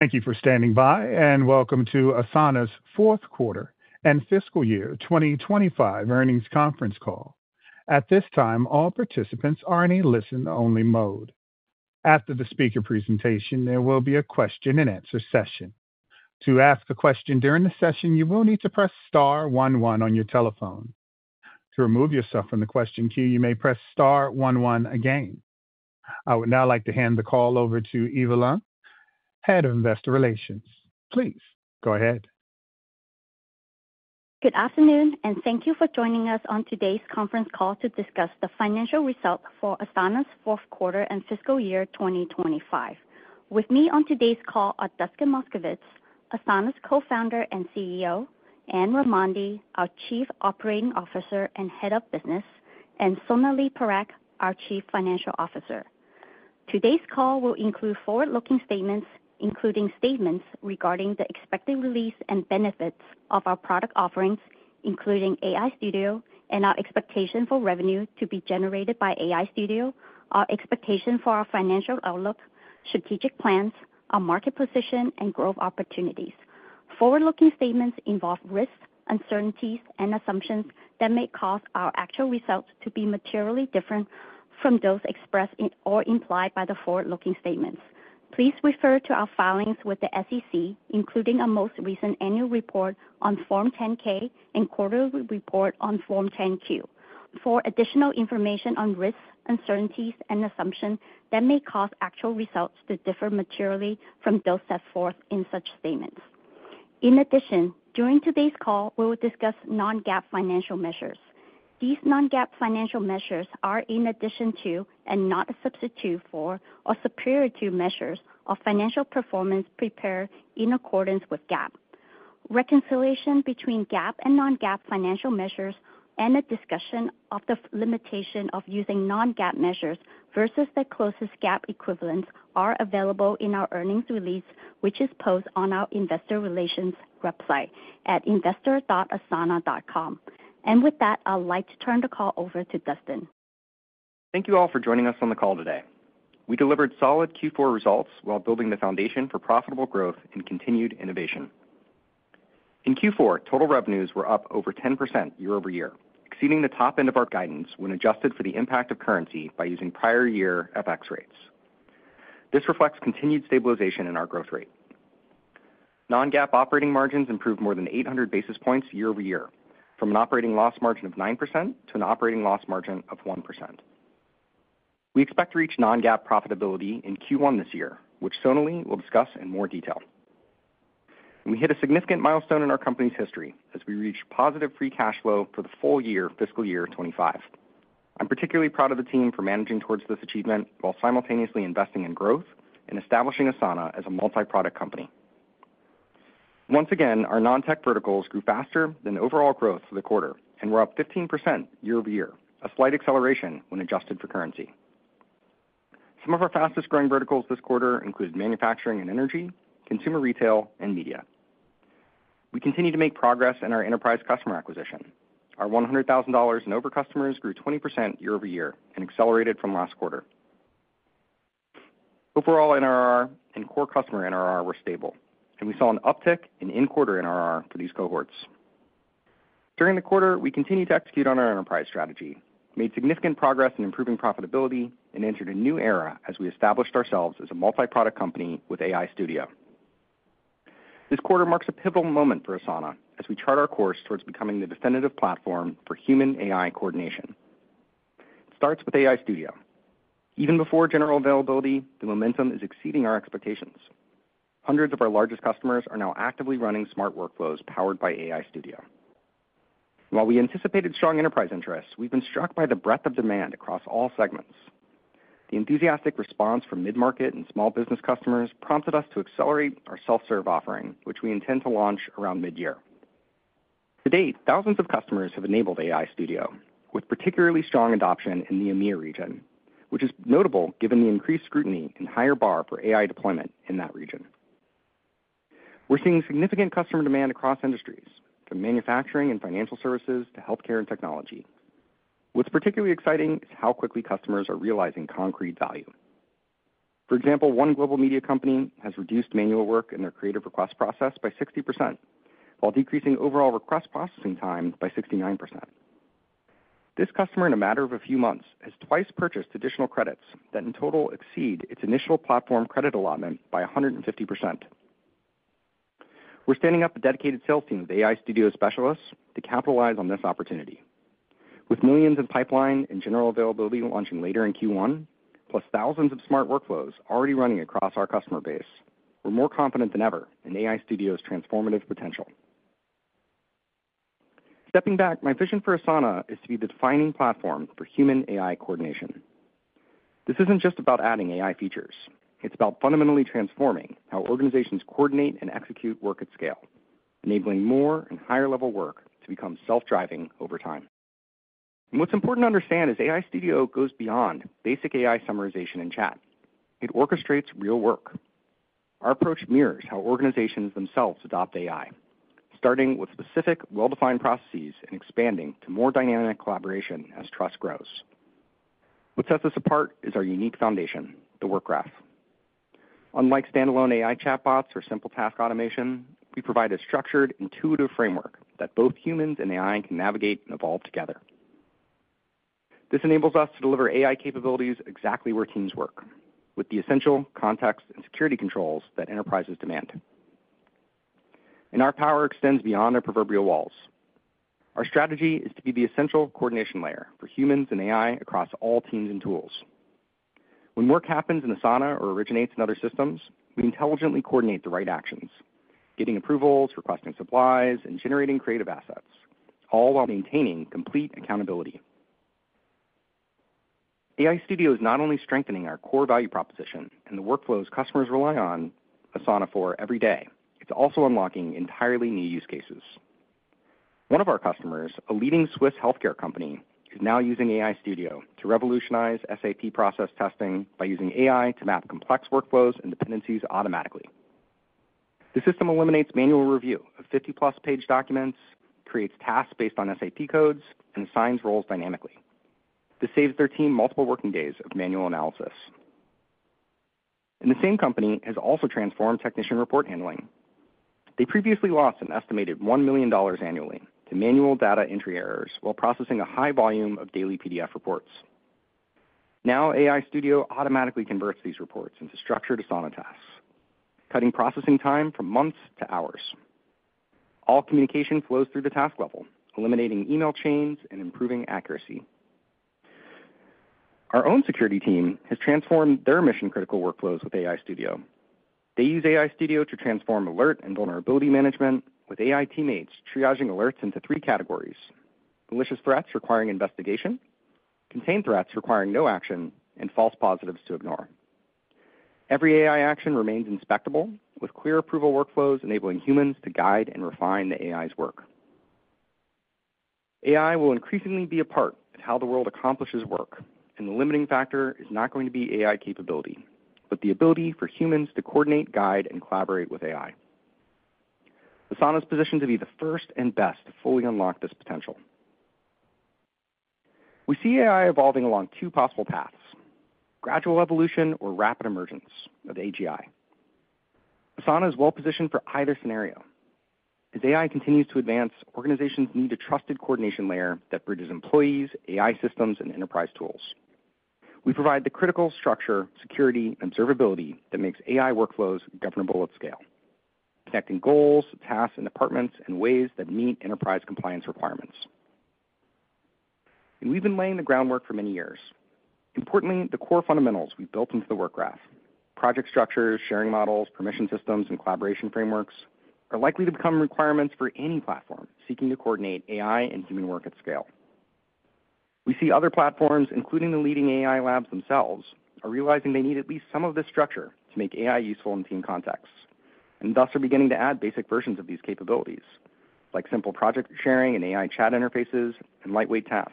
Thank You For Standing By, and Welcome to Asana's Q4 and Fiscal Year 2025 Earnings Conference Call. At this time, all participants are in a listen-only mode. After the speaker presentation, there will be a question-and-answer session. To ask a question during the session, you will need to press Star 11 on your telephone. To remove yourself from the question queue, you may press Star 11 again. I would now like to hand the call over to Eva Leung, Head of Investor Relations. Please go ahead. Good afternoon, and thank you for joining us on today's conference call to discuss the financial result for Asana's Q4 and fiscal year 2025. With me on today's call are Dustin Moskovitz, Asana's co-founder and CEO; Anne Raimondi, our Chief Operating Officer and Head of Business; and Sonalee Parekh, our Chief Financial Officer. Today's call will include forward-looking statements, including statements regarding the expected release and benefits of our product offerings, including AI Studio and our expectation for revenue to be generated by AI Studio, our expectation for our financial outlook, strategic plans, our market position, and growth opportunities. Forward-looking statements involve risks, uncertainties, and assumptions that may cause our actual results to be materially different from those expressed or implied by the forward-looking statements. Please refer to our filings with the SEC, including our most recent annual report on Form 10-K and quarterly report on Form 10-Q, for additional information on risks, uncertainties, and assumptions that may cause actual results to differ materially from those set forth in such statements. In addition, during today's call, we will discuss non-GAAP financial measures. These non-GAAP financial measures are in addition to and not a substitute for or superior to measures of financial performance prepared in accordance with GAAP. Reconciliation between GAAP and non-GAAP financial measures and a discussion of the limitation of using non-GAAP measures versus the closest GAAP equivalents are available in our earnings release, which is posted on our Investor Relations website at investor.asana.com. I would like to turn the call over to Dustin. Thank you all for joining us on the call today. We delivered solid Q4 results while building the foundation for profitable growth and continued innovation. In Q4, total revenues were up over 10% year-over-year, exceeding the top end of our guidance when adjusted for the impact of currency by using prior year FX rates. This reflects continued stabilization in our growth rate. Non-GAAP operating margins improved more than 800 basis points year-over-year, from an operating loss margin of 9% to an operating loss margin of 1%. We expect to reach non-GAAP profitability in Q1 this year, which Sonalee will discuss in more detail. We hit a significant milestone in our company's history as we reached positive free cash flow for the full year, fiscal year 2025. I'm particularly proud of the team for managing towards this achievement while simultaneously investing in growth and establishing Asana as a multi-product company. Once again, our non-tech verticals grew faster than overall growth for the quarter and were up 15% year-over-year, a slight acceleration when adjusted for currency. Some of our fastest-growing verticals this quarter included manufacturing and energy, consumer retail, and media. We continue to make progress in our enterprise customer acquisition. Our $100,000 and over customers grew 20% year-over-year and accelerated from last quarter. Overall NRR and core customer NRR were stable, and we saw an uptick in in-quarter NRR for these cohorts. During the quarter, we continued to execute on our enterprise strategy, made significant progress in improving profitability, and entered a new era as we established ourselves as a multi-product company with AI Studio. This quarter marks a pivotal moment for Asana as we chart our course towards becoming the definitive platform for human-AI coordination. It starts with AI Studio. Even before general availability, the momentum is exceeding our expectations. Hundreds of our largest customers are now actively running smart workflows powered by AI Studio. While we anticipated strong enterprise interest, we've been struck by the breadth of demand across all segments. The enthusiastic response from mid-market and small business customers prompted us to accelerate our self-serve offering, which we intend to launch around mid-year. To date, thousands of customers have enabled AI Studio, with particularly strong adoption in the EMEA region, which is notable given the increased scrutiny and higher bar for AI deployment in that region. We're seeing significant customer demand across industries, from manufacturing and financial services to healthcare and technology. What's particularly exciting is how quickly customers are realizing concrete value. For example, one global media company has reduced manual work in their creative request process by 60%, while decreasing overall request processing time by 69%. This customer, in a matter of a few months, has twice purchased additional credits that in total exceed its initial platform credit allotment by 150%. We're standing up a dedicated sales team of AI Studio specialists to capitalize on this opportunity. With millions in pipeline and general availability launching later in Q1, plus thousands of smart workflows already running across our customer base, we're more confident than ever in AI Studio's transformative potential. Stepping back, my vision for Asana is to be the defining platform for human-AI coordination. This isn't just about adding AI features. It's about fundamentally transforming how organizations coordinate and execute work at scale, enabling more and higher-level work to become self-driving over time. What's important to understand is AI Studio goes beyond basic AI summarization and chat. It orchestrates real work. Our approach mirrors how organizations themselves adopt AI, starting with specific, well-defined processes and expanding to more dynamic collaboration as trust grows. What sets us apart is our unique foundation, the Work Graph. Unlike standalone AI chatbots or simple task automation, we provide a structured, intuitive framework that both humans and AI can navigate and evolve together. This enables us to deliver AI capabilities exactly where teams work, with the essential context and security controls that enterprises demand. Our power extends beyond our proverbial walls. Our strategy is to be the essential coordination layer for humans and AI across all teams and tools. When work happens in Asana or originates in other systems, we intelligently coordinate the right actions, getting approvals, requesting supplies, and generating creative assets, all while maintaining complete accountability. AI Studio is not only strengthening our core value proposition and the workflows customers rely on Asana for every day, it is also unlocking entirely new use cases. One of our customers, a leading Swiss healthcare company, is now using AI Studio to revolutionize SAP process testing by using AI to map complex workflows and dependencies automatically. The system eliminates manual review of 50-plus page documents, creates tasks based on SAP codes, and assigns roles dynamically. This saves their team multiple working days of manual analysis. The same company has also transformed technician report handling. They previously lost an estimated $1 million annually to manual data entry errors while processing a high volume of daily PDF reports. Now AI Studio automatically converts these reports into structured Asana tasks, cutting processing time from months to hours. All communication flows through the task level, eliminating email chains and improving accuracy. Our own security team has transformed their mission-critical workflows with AI Studio. They use AI Studio to transform alert and vulnerability management, with AI teammates triaging alerts into three categories: malicious threats requiring investigation, contained threats requiring no action, and false positives to ignore. Every AI action remains inspectable, with clear approval workflows enabling humans to guide and refine the AI's work. AI will increasingly be a part of how the world accomplishes work, and the limiting factor is not going to be AI capability, but the ability for humans to coordinate, guide, and collaborate with AI. Asana is positioned to be the first and best to fully unlock this potential. We see AI evolving along two possible paths: gradual evolution or rapid emergence of AGI. Asana is well-positioned for either scenario. As AI continues to advance, organizations need a trusted coordination layer that bridges employees, AI systems, and enterprise tools. We provide the critical structure, security, and observability that makes AI workflows governable at scale, connecting goals, tasks, and departments in ways that meet enterprise compliance requirements. We have been laying the groundwork for many years. Importantly, the core fundamentals we have built into the Work Graph—project structures, sharing models, permission systems, and collaboration frameworks—are likely to become requirements for any platform seeking to coordinate AI and human work at scale. We see other platforms, including the leading AI labs themselves, are realizing they need at least some of this structure to make AI useful in team contexts, and thus are beginning to add basic versions of these capabilities, like simple project sharing and AI chat interfaces and lightweight tasks,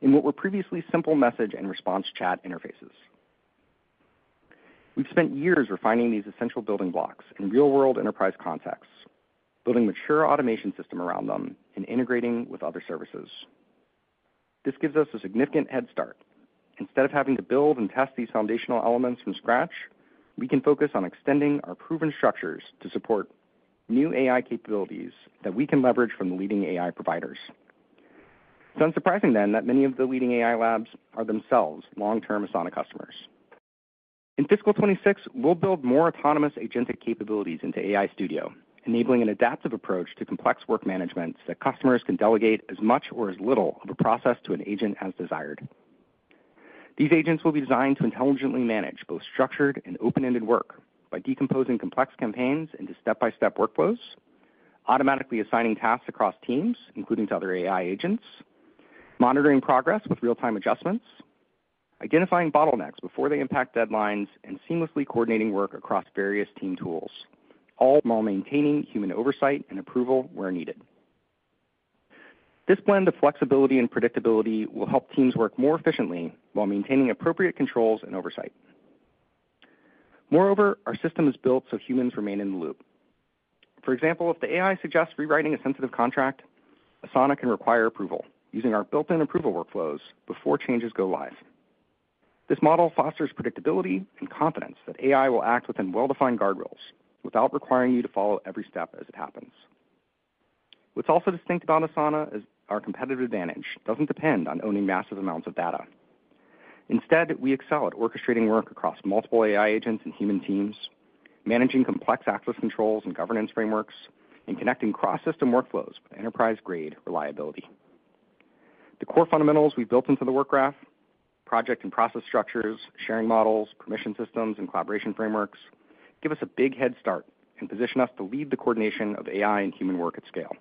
and what were previously simple message and response chat interfaces. We've spent years refining these essential building blocks in real-world enterprise contexts, building mature automation systems around them and integrating with other services. This gives us a significant head start. Instead of having to build and test these foundational elements from scratch, we can focus on extending our proven structures to support new AI capabilities that we can leverage from the leading AI providers. It's unsurprising then that many of the leading AI labs are themselves long-term Asana customers. In fiscal 2026, we'll build more autonomous agentic capabilities into AI Studio, enabling an adaptive approach to complex work management so that customers can delegate as much or as little of a process to an agent as desired. These agents will be designed to intelligently manage both structured and open-ended work by decomposing complex campaigns into step-by-step workflows, automatically assigning tasks across teams, including to other AI agents, monitoring progress with real-time adjustments, identifying bottlenecks before they impact deadlines, and seamlessly coordinating work across various team tools, all while maintaining human oversight and approval where needed. This blend of flexibility and predictability will help teams work more efficiently while maintaining appropriate controls and oversight. Moreover, our system is built so humans remain in the loop. For example, if the AI suggests rewriting a sensitive contract, Asana can require approval using our built-in approval workflows before changes go live. This model fosters predictability and confidence that AI will act within well-defined guardrails without requiring you to follow every step as it happens. What is also distinct about Asana is our competitive advantage does not depend on owning massive amounts of data. Instead, we excel at orchestrating work across multiple AI agents and human teams, managing complex access controls and governance frameworks, and connecting cross-system workflows with enterprise-grade reliability. The core fundamentals we've built into the Work Graph—project and process structures, sharing models, permission systems, and collaboration frameworks—give us a big head start and position us to lead the coordination of AI and human work at scale.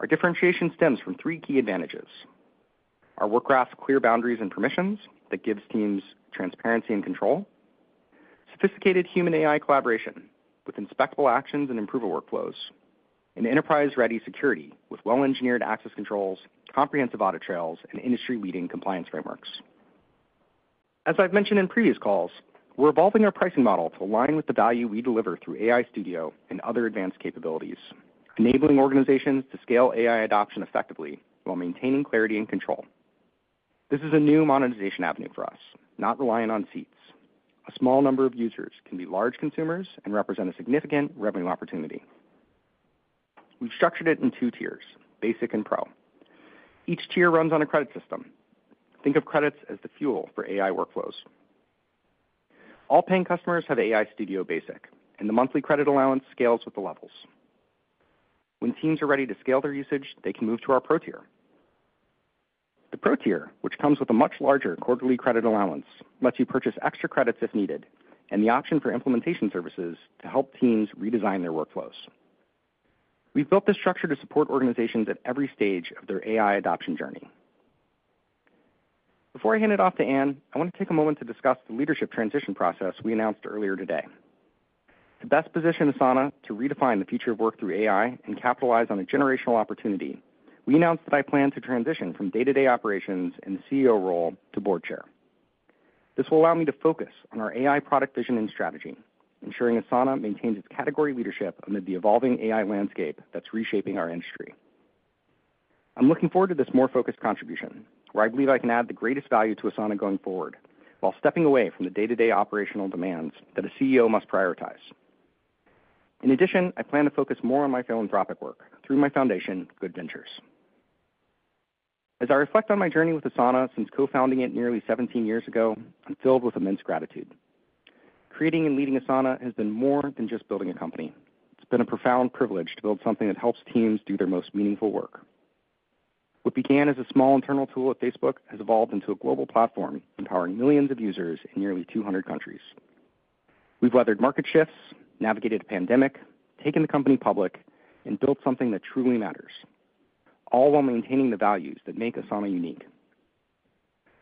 Our differentiation stems from three key advantages: our Work Graph's clear boundaries and permissions that give teams transparency and control, sophisticated human-AI collaboration with inspectable actions and approval workflows, and enterprise-ready security with well-engineered access controls, comprehensive audit trails, and industry-leading compliance frameworks. As I've mentioned in previous calls, we're evolving our pricing model to align with the value we deliver through AI Studio and other advanced capabilities, enabling organizations to scale AI adoption effectively while maintaining clarity and control. This is a new monetization avenue for us, not relying on seats. A small number of users can be large consumers and represent a significant revenue opportunity. We've structured it in two tiers: basic and pro. Each tier runs on a credit system. Think of credits as the fuel for AI workflows. All paying customers have AI Studio Basic, and the monthly credit allowance scales with the levels. When teams are ready to scale their usage, they can move to our pro tier. The pro tier, which comes with a much larger quarterly credit allowance, lets you purchase extra credits if needed and the option for implementation services to help teams redesign their workflows. We've built this structure to support organizations at every stage of their AI adoption journey. Before I hand it off to Anne, I want to take a moment to discuss the leadership transition process we announced earlier today. To best position Asana to redefine the future of work through AI and capitalize on a generational opportunity, we announced that I plan to transition from day-to-day operations and the CEO role to board chair. This will allow me to focus on our AI product vision and strategy, ensuring Asana maintains its category leadership amid the evolving AI landscape that's reshaping our industry. I'm looking forward to this more focused contribution, where I believe I can add the greatest value to Asana going forward while stepping away from the day-to-day operational demands that a CEO must prioritize. In addition, I plan to focus more on my philanthropic work through my foundation, Good Ventures. As I reflect on my journey with Asana since co-founding it nearly 17 years ago, I'm filled with immense gratitude. Creating and leading Asana has been more than just building a company. It's been a profound privilege to build something that helps teams do their most meaningful work. What began as a small internal tool at Facebook has evolved into a global platform empowering millions of users in nearly 200 countries. We've weathered market shifts, navigated a pandemic, taken the company public, and built something that truly matters, all while maintaining the values that make Asana unique.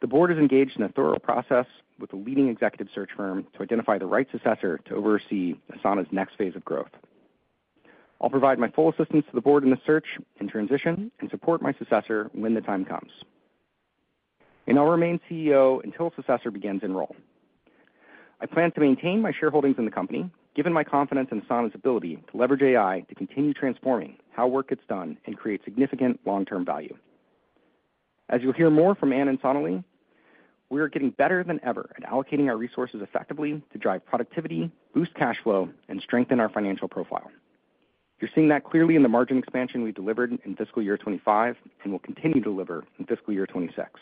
The board is engaged in a thorough process with the leading executive search firm to identify the right successor to oversee Asana's next phase of growth. I'll provide my full assistance to the board in the search and transition and support my successor when the time comes. I'll remain CEO until a successor begins in the role. I plan to maintain my shareholdings in the company, given my confidence in Asana's ability to leverage AI to continue transforming how work gets done and create significant long-term value. As you'll hear more from Anne and Sonalee, we're getting better than ever at allocating our resources effectively to drive productivity, boost cash flow, and strengthen our financial profile. You're seeing that clearly in the margin expansion we've delivered in fiscal year 2025 and will continue to deliver in fiscal year 2026.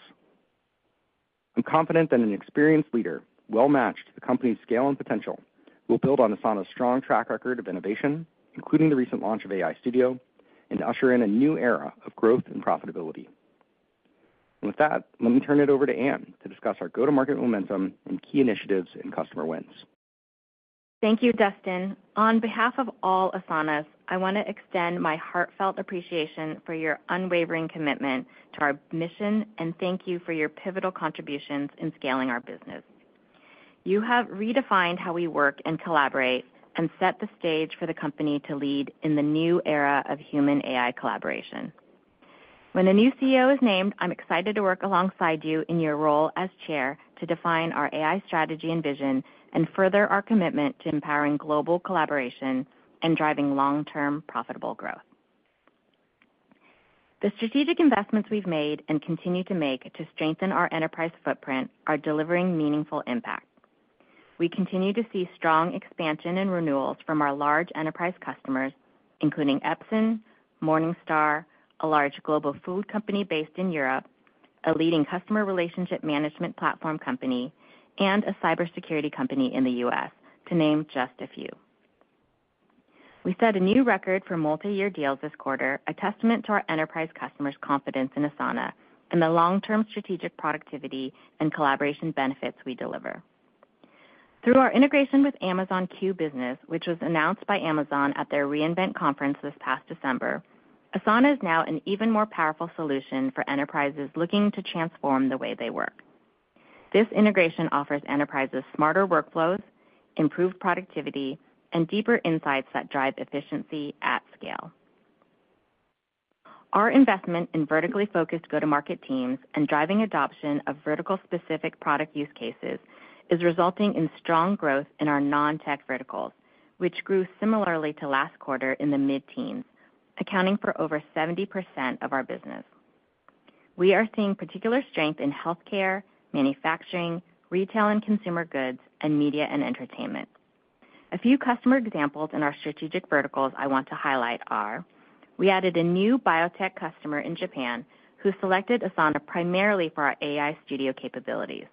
I'm confident that an experienced leader well-matched to the company's scale and potential will build on Asana's strong track record of innovation, including the recent launch of AI Studio, and usher in a new era of growth and profitability. With that, let me turn it over to Anne to discuss our go-to-market momentum and key initiatives and customer wins. Thank you, Dustin. On behalf of all Asanas, I want to extend my heartfelt appreciation for your unwavering commitment to our mission and thank you for your pivotal contributions in scaling our business. You have redefined how we work and collaborate and set the stage for the company to lead in the new era of human-AI collaboration. When a new CEO is named, I'm excited to work alongside you in your role as chair to define our AI strategy and vision and further our commitment to empowering global collaboration and driving long-term profitable growth. The strategic investments we've made and continue to make to strengthen our enterprise footprint are delivering meaningful impact. We continue to see strong expansion and renewals from our large enterprise customers, including Epson, Morningstar, a large global food company based in Europe, a leading customer relationship management platform company, and a cybersecurity company in the US, to name just a few. We set a new record for multi-year deals this quarter, a testament to our enterprise customers' confidence in Asana and the long-term strategic productivity and collaboration benefits we deliver. Through our integration with Amazon Q Business, which was announced by Amazon at their re:Invent conference this past December, Asana is now an even more powerful solution for enterprises looking to transform the way they work. This integration offers enterprises smarter workflows, improved productivity, and deeper insights that drive efficiency at scale. Our investment in vertically focused go-to-market teams and driving adoption of vertical-specific product use cases is resulting in strong growth in our non-tech verticals, which grew similarly to last quarter in the mid-teens, accounting for over 70% of our business. We are seeing particular strength in healthcare, manufacturing, retail and consumer goods, and media and entertainment. A few customer examples in our strategic verticals I want to highlight are: we added a new biotech customer in Japan who selected Asana primarily for our AI Studio capabilities.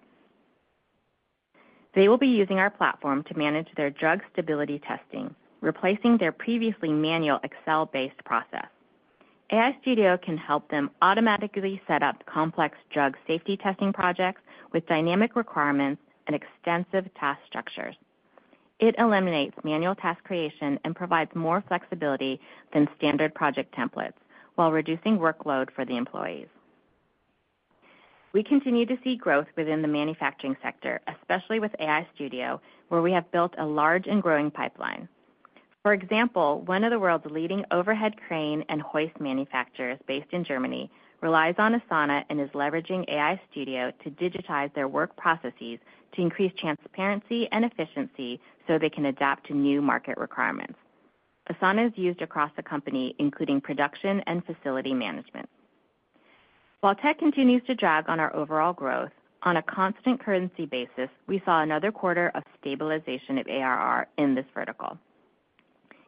They will be using our platform to manage their drug stability testing, replacing their previously manual Excel-based process. AI Studio can help them automatically set up complex drug safety testing projects with dynamic requirements and extensive task structures. It eliminates manual task creation and provides more flexibility than standard project templates while reducing workload for the employees. We continue to see growth within the manufacturing sector, especially with AI Studio, where we have built a large and growing pipeline. For example, one of the world's leading overhead crane and hoist manufacturers based in Germany relies on Asana and is leveraging AI Studio to digitize their work processes to increase transparency and efficiency so they can adapt to new market requirements. Asana is used across the company, including production and facility management. While tech continues to drag on our overall growth, on a constant currency basis, we saw another quarter of stabilization of ARR in this vertical.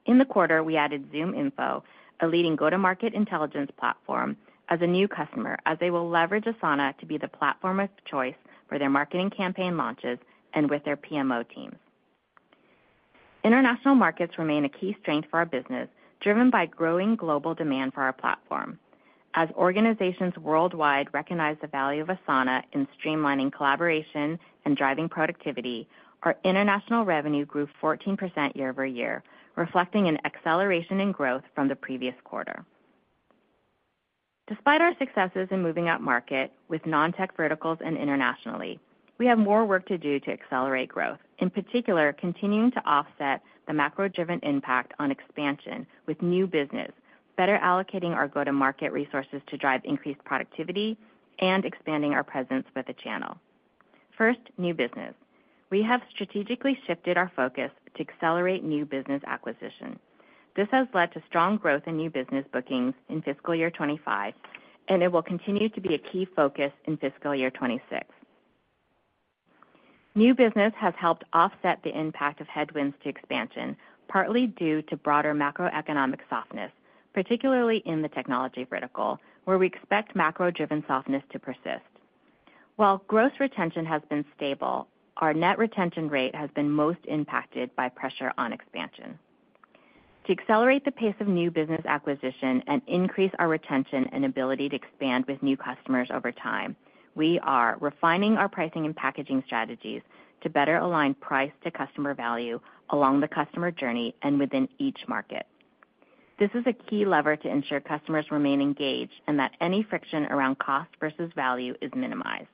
In the quarter, we added ZoomInfo, a leading go-to-market intelligence platform, as a new customer as they will leverage Asana to be the platform of choice for their marketing campaign launches and with their PMO teams. International markets remain a key strength for our business, driven by growing global demand for our platform. As organizations worldwide recognize the value of Asana in streamlining collaboration and driving productivity, our international revenue grew 14% year-over-year, reflecting an acceleration in growth from the previous quarter. Despite our successes in moving up market with non-tech verticals and internationally, we have more work to do to accelerate growth, in particular continuing to offset the macro-driven impact on expansion with new business, better allocating our go-to-market resources to drive increased productivity and expanding our presence with the channel. First, new business. We have strategically shifted our focus to accelerate new business acquisition. This has led to strong growth in new business bookings in fiscal year 2025, and it will continue to be a key focus in fiscal year 2026. New business has helped offset the impact of headwinds to expansion, partly due to broader macroeconomic softness, particularly in the technology vertical, where we expect macro-driven softness to persist. While gross retention has been stable, our net retention rate has been most impacted by pressure on expansion. To accelerate the pace of new business acquisition and increase our retention and ability to expand with new customers over time, we are refining our pricing and packaging strategies to better align price to customer value along the customer journey and within each market. This is a key lever to ensure customers remain engaged and that any friction around cost versus value is minimized.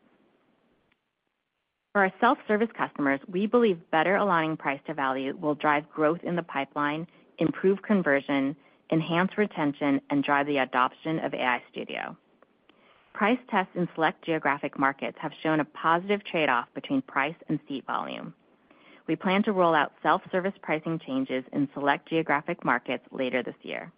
For our self-service customers, we believe better aligning price to value will drive growth in the pipeline, improve conversion, enhance retention, and drive the adoption of AI Studio. Price tests in select geographic markets have shown a positive trade-off between price and seat volume. We plan to roll out self-service pricing changes in select geographic markets later this year.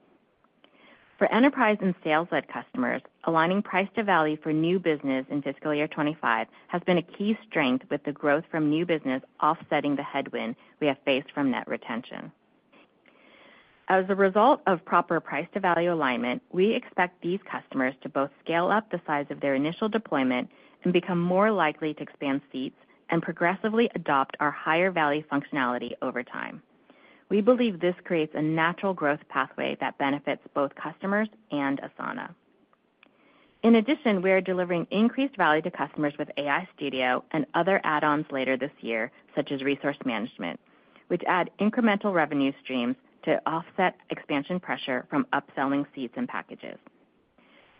For enterprise and sales-led customers, aligning price to value for new business in fiscal year 2025 has been a key strength with the growth from new business offsetting the headwind we have faced from net retention. As a result of proper price to value alignment, we expect these customers to both scale up the size of their initial deployment and become more likely to expand seats and progressively adopt our higher value functionality over time. We believe this creates a natural growth pathway that benefits both customers and Asana. In addition, we are delivering increased value to customers with AI Studio and other add-ons later this year, such as resource management, which add incremental revenue streams to offset expansion pressure from upselling seats and packages.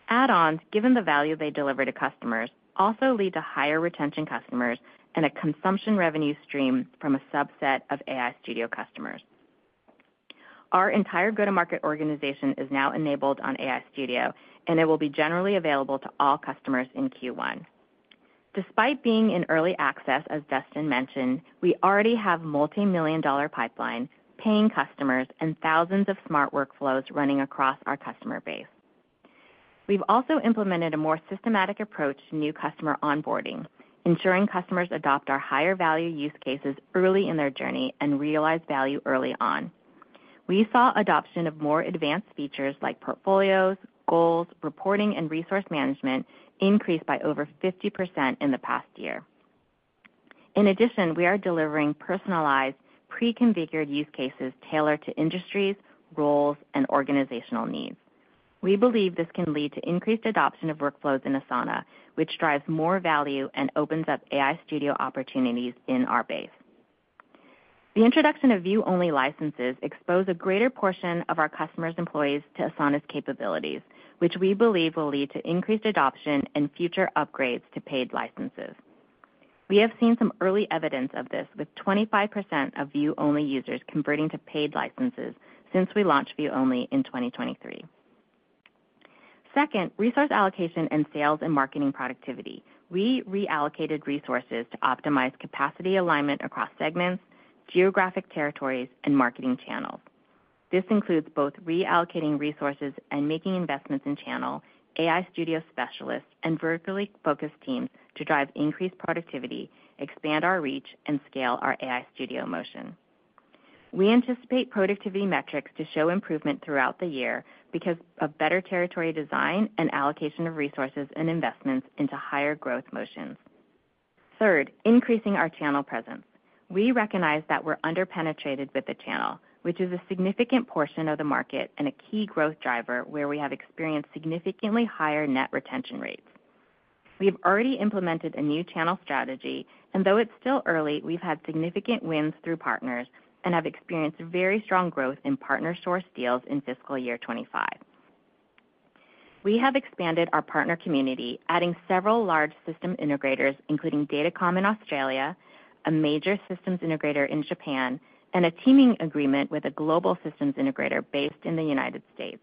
Add-ons, given the value they deliver to customers, also lead to higher retention customers and a consumption revenue stream from a subset of AI Studio customers. Our entire go-to-market organization is now enabled on AI Studio, and it will be generally available to all customers in Q1. Despite being in early access, as Dustin mentioned, we already have a multi-million dollar pipeline, paying customers, and thousands of smart workflows running across our customer base. We've also implemented a more systematic approach to new customer onboarding, ensuring customers adopt our higher value use cases early in their journey and realize value early on. We saw adoption of more advanced features like portfolios, goals, reporting, and resource management increase by over 50% in the past year. In addition, we are delivering personalized, pre-configured use cases tailored to industries, roles, and organizational needs. We believe this can lead to increased adoption of workflows in Asana, which drives more value and opens up AI Studio opportunities in our base. The introduction of view-only licenses exposes a greater portion of our customers' employees to Asana's capabilities, which we believe will lead to increased adoption and future upgrades to paid licenses. We have seen some early evidence of this, with 25% of view-only users converting to paid licenses since we launched view-only in 2023. Second, resource allocation and sales and marketing productivity. We reallocated resources to optimize capacity alignment across segments, geographic territories, and marketing channels. This includes both reallocating resources and making investments in channel, AI Studio specialists, and vertically focused teams to drive increased productivity, expand our reach, and scale our AI Studio motion. We anticipate productivity metrics to show improvement throughout the year because of better territory design and allocation of resources and investments into higher growth motions. Third, increasing our channel presence. We recognize that we're underpenetrated with the channel, which is a significant portion of the market and a key growth driver where we have experienced significantly higher net retention rates. We have already implemented a new channel strategy, and though it's still early, we've had significant wins through partners and have experienced very strong growth in partner source deals in fiscal year 2025. We have expanded our partner community, adding several large system integrators, including Datacom in Australia, a major systems integrator in Japan, and a teaming agreement with a global systems integrator based in the United States.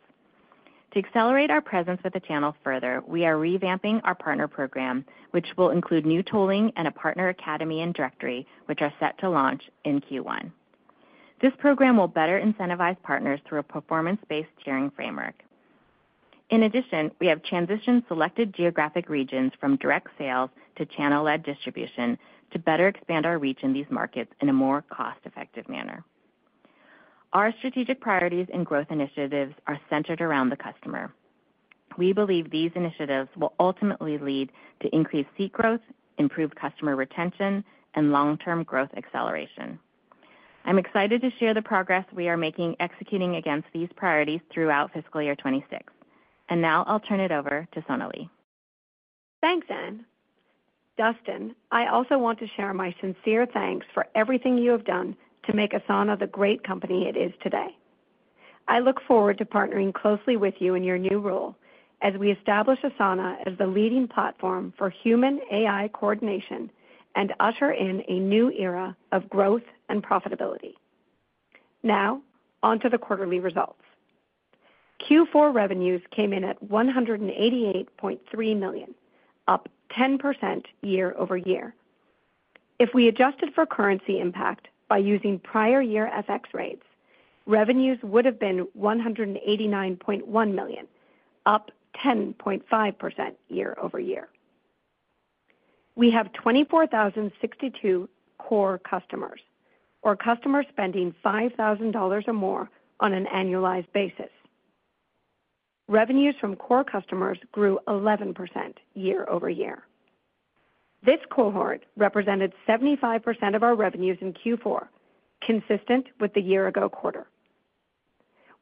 To accelerate our presence with the channel further, we are revamping our partner program, which will include new tooling and a partner academy and directory, which are set to launch in Q1. This program will better incentivize partners through a performance-based tiering framework. In addition, we have transitioned selected geographic regions from direct sales to channel-led distribution to better expand our reach in these markets in a more cost-effective manner. Our strategic priorities and growth initiatives are centered around the customer. We believe these initiatives will ultimately lead to increased seat growth, improved customer retention, and long-term growth acceleration. I'm excited to share the progress we are making executing against these priorities throughout fiscal year 2026. Now I'll turn it over to Sonalee. Thanks, Anne. Dustin, I also want to share my sincere thanks for everything you have done to make Asana the great company it is today. I look forward to partnering closely with you in your new role as we establish Asana as the leading platform for human-AI coordination and usher in a new era of growth and profitability. Now, onto the quarterly results. Q4 revenues came in at $188.3 million, up 10% year-over-year. If we adjusted for currency impact by using prior year FX rates, revenues would have been $189.1 million, up 10.5% year-over-year. We have 24,062 core customers, or customers spending $5,000 or more on an annualized basis. Revenues from core customers grew 11% year-over-year. This cohort represented 75% of our revenues in Q4, consistent with the year-ago quarter.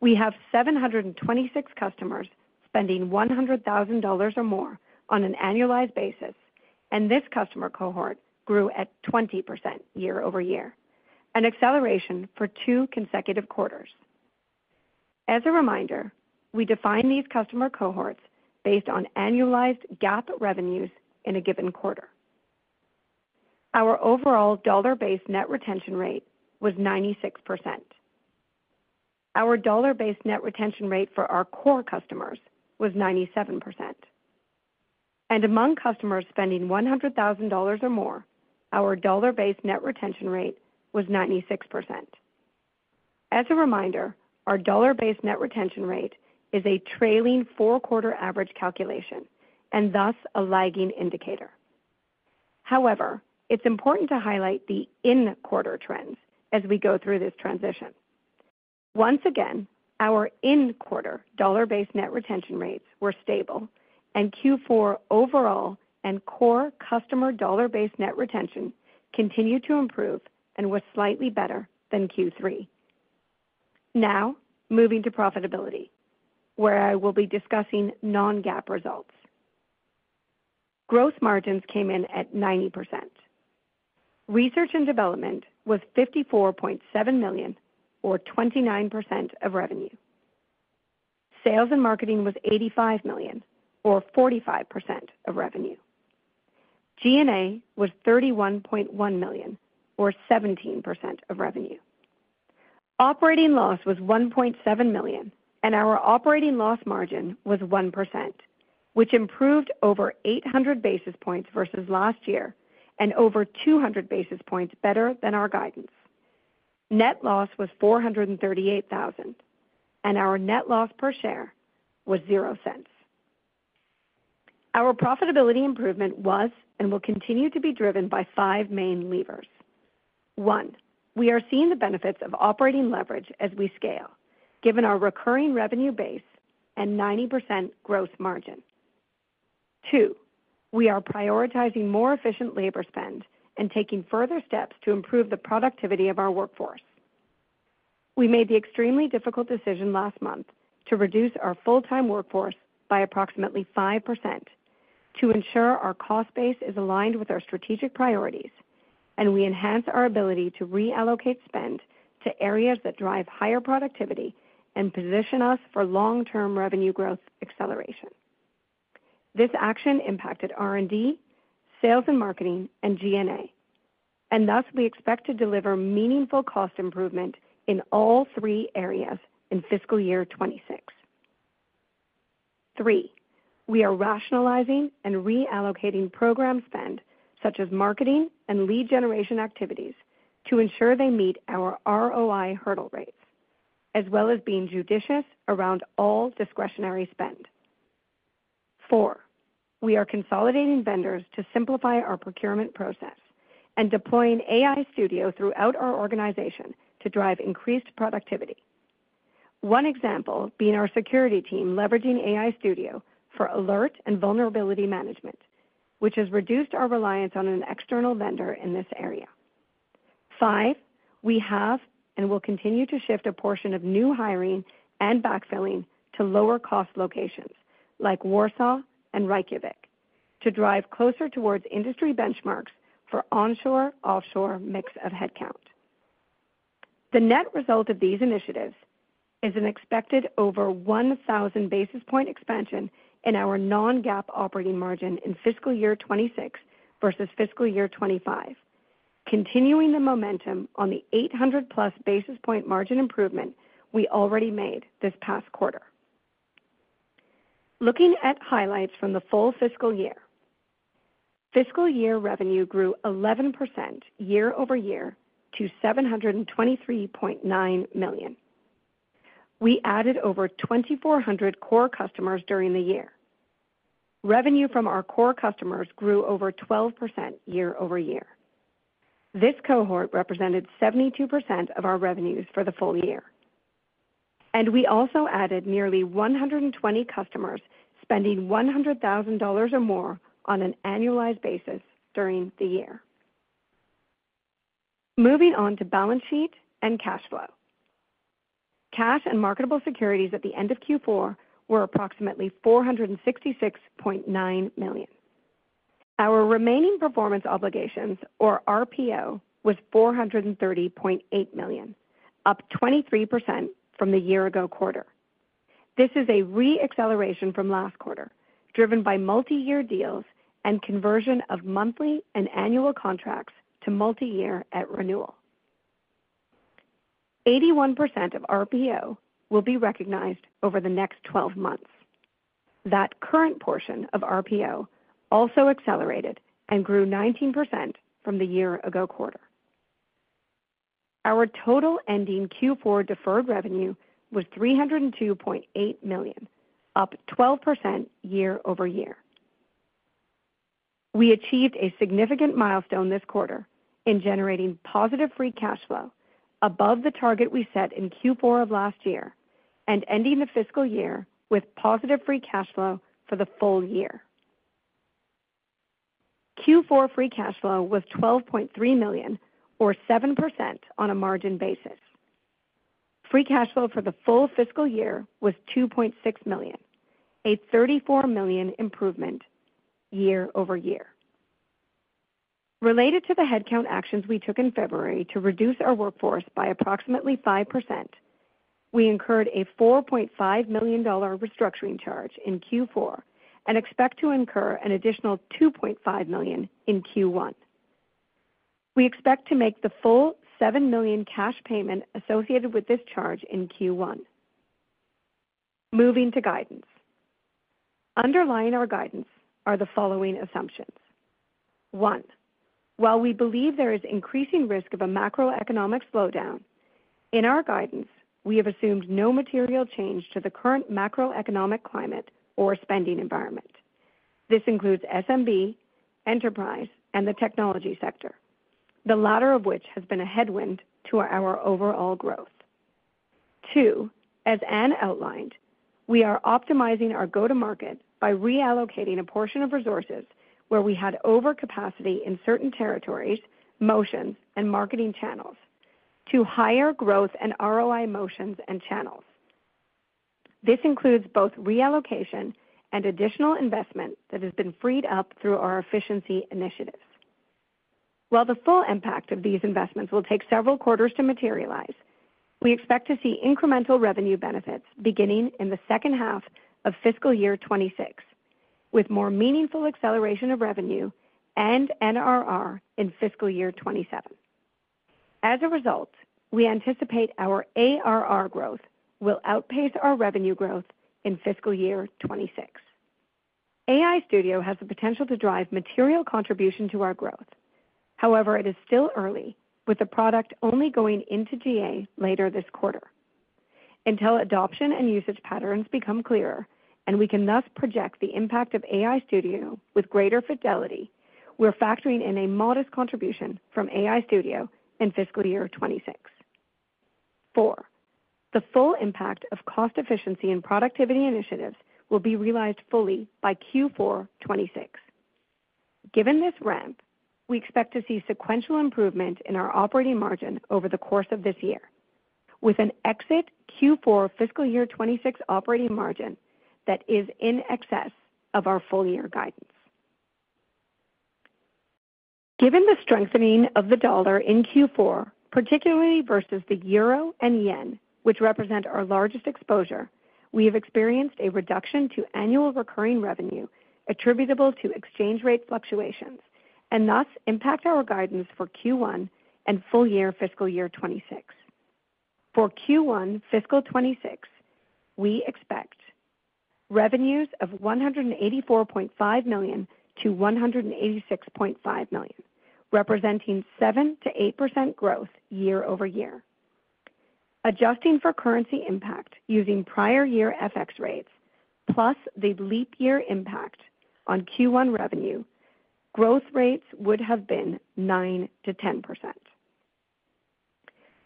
We have 726 customers spending $100,000 or more on an annualized basis, and this customer cohort grew at 20% year-over-year, an acceleration for two consecutive quarters. As a reminder, we define these customer cohorts based on annualized GAAP revenues in a given quarter. Our overall dollar-based net retention rate was 96%. Our dollar-based net retention rate for our core customers was 97%. Among customers spending $100,000 or more, our dollar-based net retention rate was 96%. As a reminder, our dollar-based net retention rate is a trailing four-quarter average calculation and thus a lagging indicator. However, it is important to highlight the in-quarter trends as we go through this transition. Once again, our in-quarter dollar-based net retention rates were stable, and Q4 overall and core customer dollar-based net retention continued to improve and was slightly better than Q3. Now, moving to profitability, where I will be discussing non-GAAP results. Gross margins came in at 90%. Research and development was $54.7 million, or 29% of revenue. Sales and marketing was $85 million, or 45% of revenue. G&A was $31.1 million, or 17% of revenue. Operating loss was $1.7 million, and our operating loss margin was 1%, which improved over 800 basis points versus last year and over 200 basis points better than our guidance. Net loss was $438,000, and our net loss per share was $0.00. Our profitability improvement was and will continue to be driven by five main levers. One, we are seeing the benefits of operating leverage as we scale, given our recurring revenue base and 90% gross margin. Two, we are prioritizing more efficient labor spend and taking further steps to improve the productivity of our workforce. We made the extremely difficult decision last month to reduce our full-time workforce by approximately 5% to ensure our cost base is aligned with our strategic priorities, and we enhance our ability to reallocate spend to areas that drive higher productivity and position us for long-term revenue growth acceleration. This action impacted R&D, sales and marketing, and G&A, and thus we expect to deliver meaningful cost improvement in all three areas in fiscal year 2026. Three, we are rationalizing and reallocating program spend, such as marketing and lead generation activities, to ensure they meet our ROI hurdle rates, as well as being judicious around all discretionary spend. Four, we are consolidating vendors to simplify our procurement process and deploying AI Studio throughout our organization to drive increased productivity. One example being our security team leveraging AI Studio for alert and vulnerability management, which has reduced our reliance on an external vendor in this area. Five, we have and will continue to shift a portion of new hiring and backfilling to lower-cost locations like Warsaw and Reykjavik to drive closer towards industry benchmarks for onshore/offshore mix of headcount. The net result of these initiatives is an expected over 1,000 basis point expansion in our non-GAAP operating margin in fiscal year 2026 versus fiscal year 2025, continuing the momentum on the 800-plus basis point margin improvement we already made this past quarter. Looking at highlights from the full fiscal year, fiscal year revenue grew 11% year-over-year to $723.9 million. We added over 2,400 core customers during the year. Revenue from our core customers grew over 12% year-over-year. This cohort represented 72% of our revenues for the full year. We also added nearly 120 customers spending $100,000 or more on an annualized basis during the year. Moving on to balance sheet and cash flow. Cash and marketable securities at the end of Q4 were approximately $466.9 million. Our remaining performance obligations, or RPO, was $430.8 million, up 23% from the year-ago quarter. This is a re-acceleration from last quarter, driven by multi-year deals and conversion of monthly and annual contracts to multi-year at renewal. 81% of RPO will be recognized over the next 12 months. That current portion of RPO also accelerated and grew 19% from the year-ago quarter. Our total ending Q4 deferred revenue was $302.8 million, up 12% year-over-year. We achieved a significant milestone this quarter in generating positive free cash flow above the target we set in Q4 of last year and ending the fiscal year with positive free cash flow for the full year. Q4 free cash flow was $12.3 million, or 7% on a margin basis. Free cash flow for the full fiscal year was $2.6 million, a $34 million improvement year-over-year. Related to the headcount actions we took in February to reduce our workforce by approximately 5%, we incurred a $4.5 million restructuring charge in Q4 and expect to incur an additional $2.5 million in Q1. We expect to make the full $7 million cash payment associated with this charge in Q1. Moving to guidance. Underlying our guidance are the following assumptions. One, while we believe there is increasing risk of a macroeconomic slowdown, in our guidance, we have assumed no material change to the current macroeconomic climate or spending environment. This includes SMB, enterprise, and the technology sector, the latter of which has been a headwind to our overall growth. Two, as Anne outlined, we are optimizing our go-to-market by reallocating a portion of resources where we had overcapacity in certain territories, motions, and marketing channels to higher growth and ROI motions and channels. This includes both reallocation and additional investment that has been freed up through our efficiency initiatives. While the full impact of these investments will take several quarters to materialize, we expect to see incremental revenue benefits beginning in the second half of fiscal year 2026, with more meaningful acceleration of revenue and NRR in fiscal year 2027. As a result, we anticipate our ARR growth will outpace our revenue growth in fiscal year 2026. AI Studio has the potential to drive material contribution to our growth. However, it is still early, with the product only going into GA later this quarter. Until adoption and usage patterns become clearer and we can thus project the impact of AI Studio with greater fidelity, we're factoring in a modest contribution from AI Studio in fiscal year 2026. Four, the full impact of cost efficiency and productivity initiatives will be realized fully by Q4 2026. Given this ramp, we expect to see sequential improvement in our operating margin over the course of this year, with an exit Q4 fiscal year 2026 operating margin that is in excess of our full-year guidance. Given the strengthening of the dollar in Q4, particularly versus the euro and yen, which represent our largest exposure, we have experienced a reduction to annual recurring revenue attributable to exchange rate fluctuations and thus impact our guidance for Q1 and full-year fiscal year 2026. For Q1 fiscal 2026, we expect revenues of $184.5 to 186.5 million, representing 7% to 8% growth year-over-year. Adjusting for currency impact using prior year FX rates, plus the leap year impact on Q1 revenue, growth rates would have been 9% to 10%.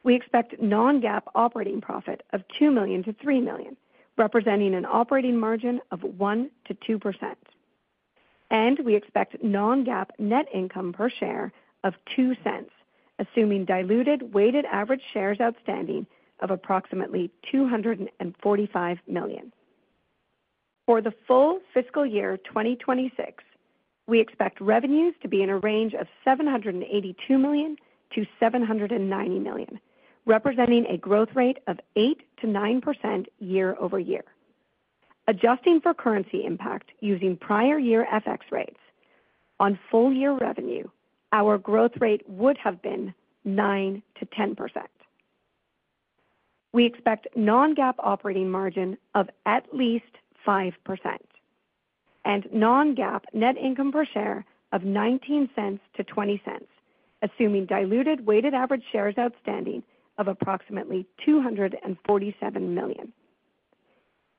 We expect non-GAAP operating profit of $2 to 3 million, representing an operating margin of 1% to 2%. We expect non-GAAP net income per share of $0.02, assuming diluted weighted average shares outstanding of approximately 245 million. For the full fiscal year 2026, we expect revenues to be in a range of $782 to 790 million, representing a growth rate of 8% to 9% year-over-year. Adjusting for currency impact using prior year FX rates, on full-year revenue, our growth rate would have been 9% to 10%. We expect non-GAAP operating margin of at least 5% and non-GAAP net income per share of $0.19 to 0.20, assuming diluted weighted average shares outstanding of approximately 247 million.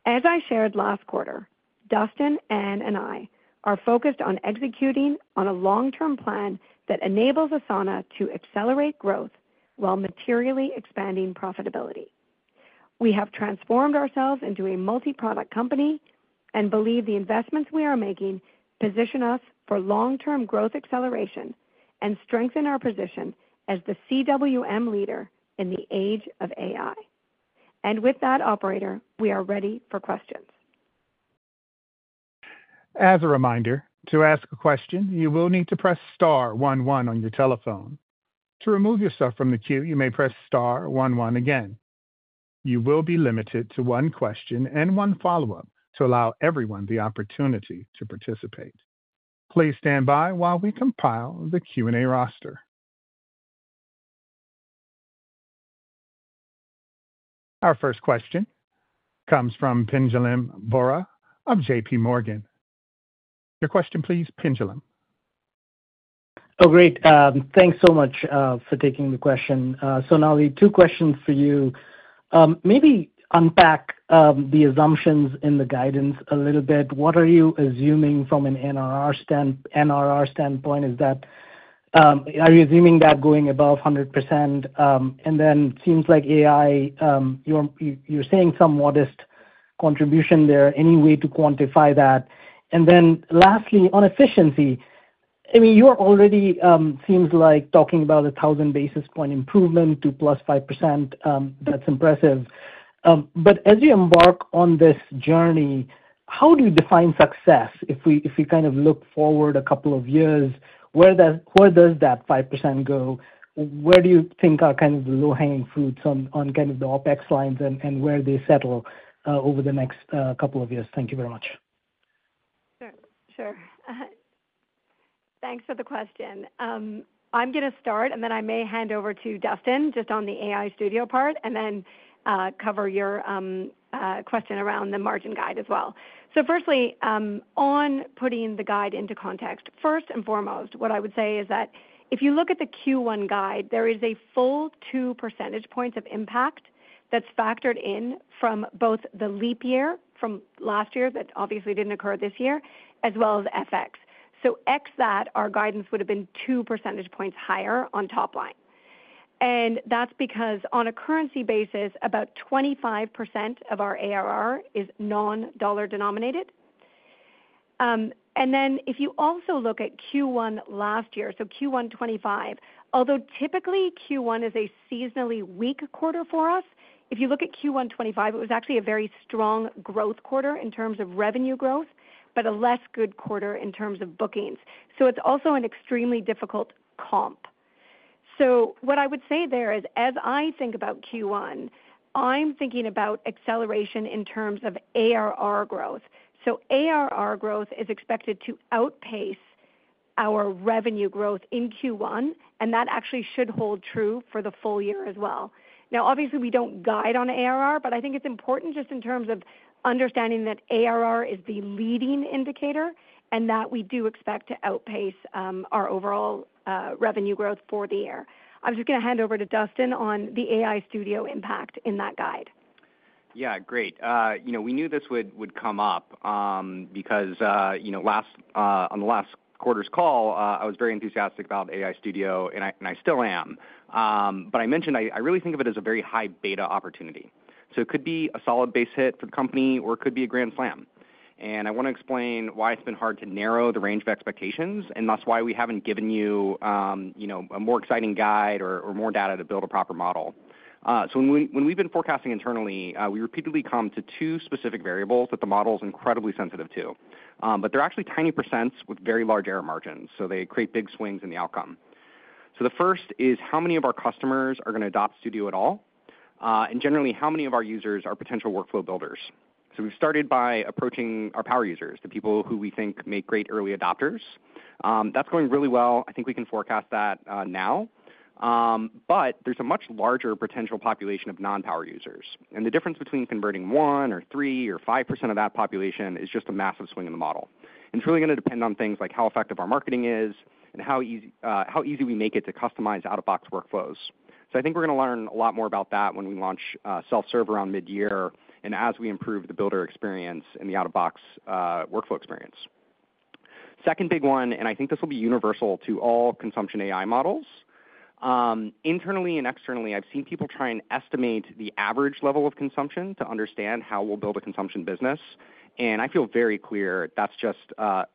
As I shared last quarter, Dustin, Anne, and I are focused on executing on a long-term plan that enables Asana to accelerate growth while materially expanding profitability. We have transformed ourselves into a multi-product company and believe the investments we are making position us for long-term growth acceleration and strengthen our position as the CWM leader in the age of AI. With that, operator, we are ready for questions. As a reminder, to ask a question, you will need to press Star 11 on your telephone. To remove yourself from the queue, you may press Star 11 again. You will be limited to one question and one follow-up to allow everyone the opportunity to participate. Please stand by while we compile the Q&A roster. Our first question comes from Pinjalim Bora of JPMorgan. Your question, please, Pinjalim. Oh, great. Thanks so much for taking the question. Now, the two questions for you. Maybe unpack the assumptions in the guidance a little bit. What are you assuming from an NRR standpoint? Are you assuming that going above 100%? It seems like AI, you are saying some modest contribution there. Any way to quantify that? Lastly, on efficiency, I mean, you're already seems like talking about a 1,000 basis point improvement to plus 5%. That's impressive. As you embark on this journey, how do you define success? If we kind of look forward a couple of years, where does that 5% go? Where do you think are kind of the low-hanging fruits on the OpEx lines and where they settle over the next couple of years? Thank you very much. Sure. Thanks for the question. I'm going to start, and then I may hand over to Dustin just on the AI Studio part and then cover your question around the margin guide as well. Firstly, on putting the guide into context, first and foremost, what I would say is that if you look at the Q1 guide, there is a full two percentage points of impact that's factored in from both the leap year from last year that obviously didn't occur this year, as well as FX. X that, our guidance would have been two percentage points higher on top line. That's because on a currency basis, about 25% of our ARR is non-dollar denominated. If you also look at Q1 last year, so Q1 2025, although typically Q1 is a seasonally weak quarter for us, if you look at Q1 2025, it was actually a very strong growth quarter in terms of revenue growth, but a less good quarter in terms of bookings. It's also an extremely difficult comp. What I would say there is, as I think about Q1, I'm thinking about acceleration in terms of ARR growth. ARR growth is expected to outpace our revenue growth in Q1, and that actually should hold true for the full year as well. Now, obviously, we do not guide on ARR, but I think it's important just in terms of understanding that ARR is the leading indicator and that we do expect to outpace our overall revenue growth for the year. I'm just going to hand over to Dustin on the AI Studio impact in that guide. Yeah, great. We knew this would come up because on the last quarter's call, I was very enthusiastic about AI Studio, and I still am. I mentioned I really think of it as a very high beta opportunity. It could be a solid base hit for the company, or it could be a grand slam. I want to explain why it's been hard to narrow the range of expectations and thus why we haven't given you a more exciting guide or more data to build a proper model. When we've been forecasting internally, we repeatedly come to two specific variables that the model is incredibly sensitive to. They're actually tiny percents with very large error margins, so they create big swings in the outcome. The first is how many of our customers are going to adopt Studio at all, and generally, how many of our users are potential workflow builders. We've started by approaching our power users, the people who we think make great early adopters. That's going really well. I think we can forecast that now. There is a much larger potential population of non-power users. The difference between converting 1% or 3% or 5% of that population is just a massive swing in the model. It is really going to depend on things like how effective our marketing is and how easy we make it to customize out-of-box workflows. I think we are going to learn a lot more about that when we launch self-serve around mid-year and as we improve the builder experience and the out-of-box workflow experience. Second big one, and I think this will be universal to all consumption AI models. Internally and externally, I have seen people try and estimate the average level of consumption to understand how we will build a consumption business. I feel very clear that is just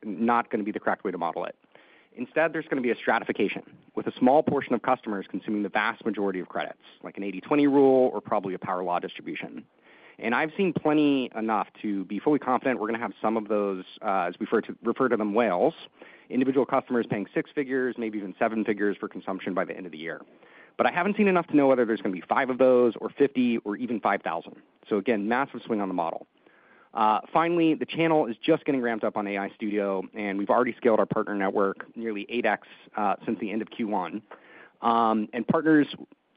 not going to be the correct way to model it. Instead, there's going to be a stratification with a small portion of customers consuming the vast majority of credits, like an 80/20 rule or probably a power law distribution. I've seen plenty enough to be fully confident we're going to have some of those, as we refer to them, whales, individual customers paying six figures, maybe even seven figures for consumption by the end of the year. I haven't seen enough to know whether there's going to be five of those or 50 or even 5,000. Again, massive swing on the model. Finally, the channel is just getting ramped up on AI Studio, and we've already scaled our partner network nearly 8x since the end of Q1. Partners,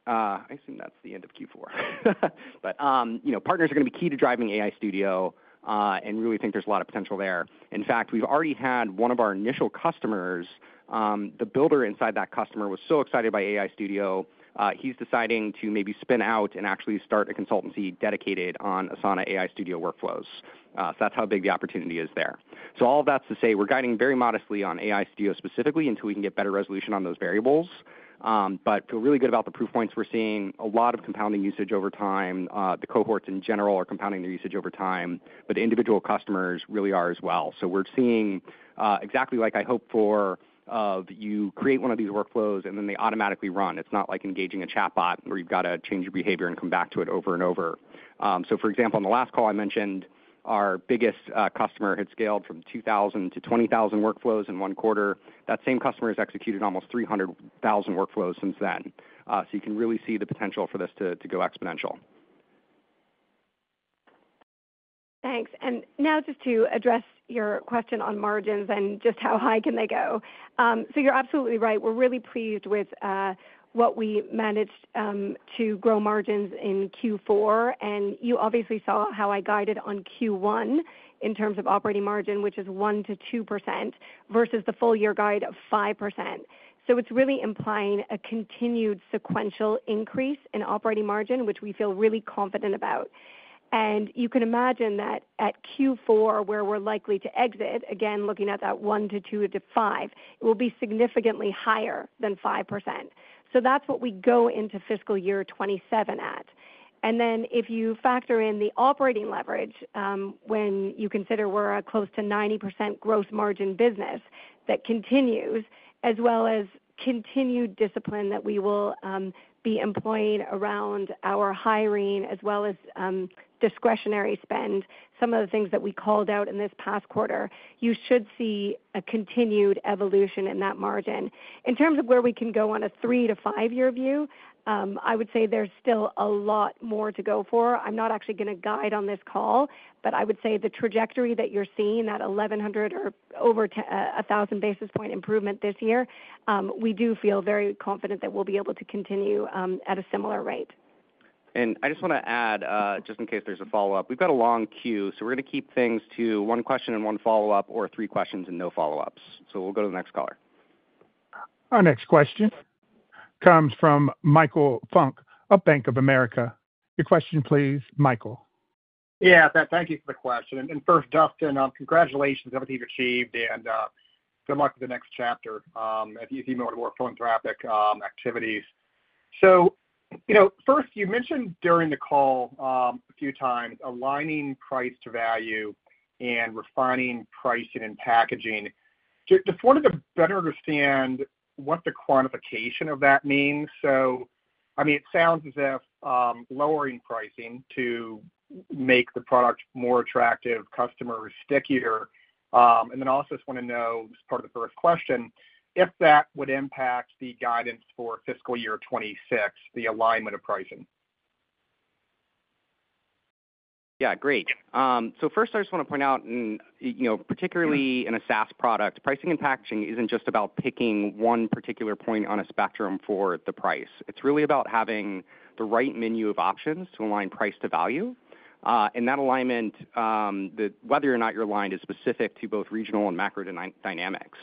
I assume that's the end of Q4. Partners are going to be key to driving AI Studio and really think there's a lot of potential there. In fact, we've already had one of our initial customers, the builder inside that customer was so excited by AI Studio, he's deciding to maybe spin out and actually start a consultancy dedicated on Asana AI Studio workflows. That's how big the opportunity is there. All of that's to say we're guiding very modestly on AI Studio specifically until we can get better resolution on those variables. Feel really good about the proof points we're seeing. A lot of compounding usage over time. The cohorts in general are compounding their usage over time, but the individual customers really are as well. We're seeing exactly like I hoped for of you create one of these workflows and then they automatically run. It's not like engaging a chatbot where you've got to change your behavior and come back to it over and over. For example, on the last call, I mentioned our biggest customer had scaled from 2,000 to 20,000 workflows in one quarter. That same customer has executed almost 300,000 workflows since then. You can really see the potential for this to go exponential. Thanks. Now just to address your question on margins and just how high can they go. You're absolutely right. We're really pleased with what we managed to grow margins in Q4. You obviously saw how I guided on Q1 in terms of operating margin, which is 1% to 2% versus the full-year guide of 5%. It's really implying a continued sequential increase in operating margin, which we feel really confident about. You can imagine that at Q4, where we're likely to exit, again, looking at that 1 to 2-5, it will be significantly higher than 5%. That's what we go into fiscal year 2027 at. If you factor in the operating leverage, when you consider we're a close to 90% gross margin business that continues, as well as continued discipline that we will be employing around our hiring, as well as discretionary spend, some of the things that we called out in this past quarter, you should see a continued evolution in that margin. In terms of where we can go on a three to five-year view, I would say there's still a lot more to go for. I'm not actually going to guide on this call, but I would say the trajectory that you're seeing, that 1,100 or over 1,000 basis point improvement this year, we do feel very confident that we'll be able to continue at a similar rate. I just want to add, just in case there's a follow-up, we've got a long queue, so we're going to keep things to one question and one follow-up or three questions and no follow-ups. We'll go to the next caller. Our next question comes from Michael Funk of Bank of America. Your question, please, Michael. Yeah, thank you for the question. First, Dustin, congratulations on everything you've achieved and good luck with the next chapter if you've been able to work philanthropic activities. First, you mentioned during the call a few times aligning price to value and refining pricing and packaging. Just wanted to better understand what the quantification of that means. I mean, it sounds as if lowering pricing to make the product more attractive, customer stickier. I also just want to know, as part of the first question, if that would impact the guidance for fiscal year 2026, the alignment of pricing. Yeah, great. First, I just want to point out, particularly in a SaaS product, pricing and packaging is not just about picking one particular point on a spectrum for the price. It is really about having the right menu of options to align price to value. That alignment, whether or not you are aligned, is specific to both regional and macro dynamics.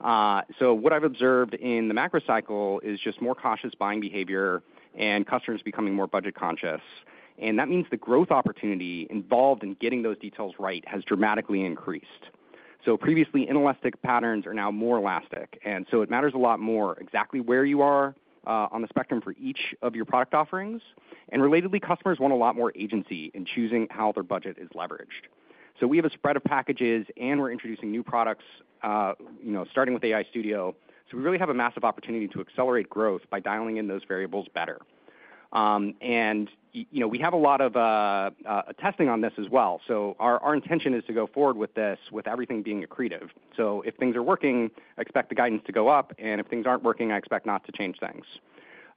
What I have observed in the macro cycle is just more cautious buying behavior and customers becoming more budget conscious. That means the growth opportunity involved in getting those details right has dramatically increased. Previously, inelastic patterns are now more elastic. It matters a lot more exactly where you are on the spectrum for each of your product offerings. Relatedly, customers want a lot more agency in choosing how their budget is leveraged. We have a spread of packages, and we're introducing new products starting with AI Studio. We really have a massive opportunity to accelerate growth by dialing in those variables better. We have a lot of testing on this as well. Our intention is to go forward with this with everything being accretive. If things are working, I expect the guidance to go up. If things aren't working, I expect not to change things.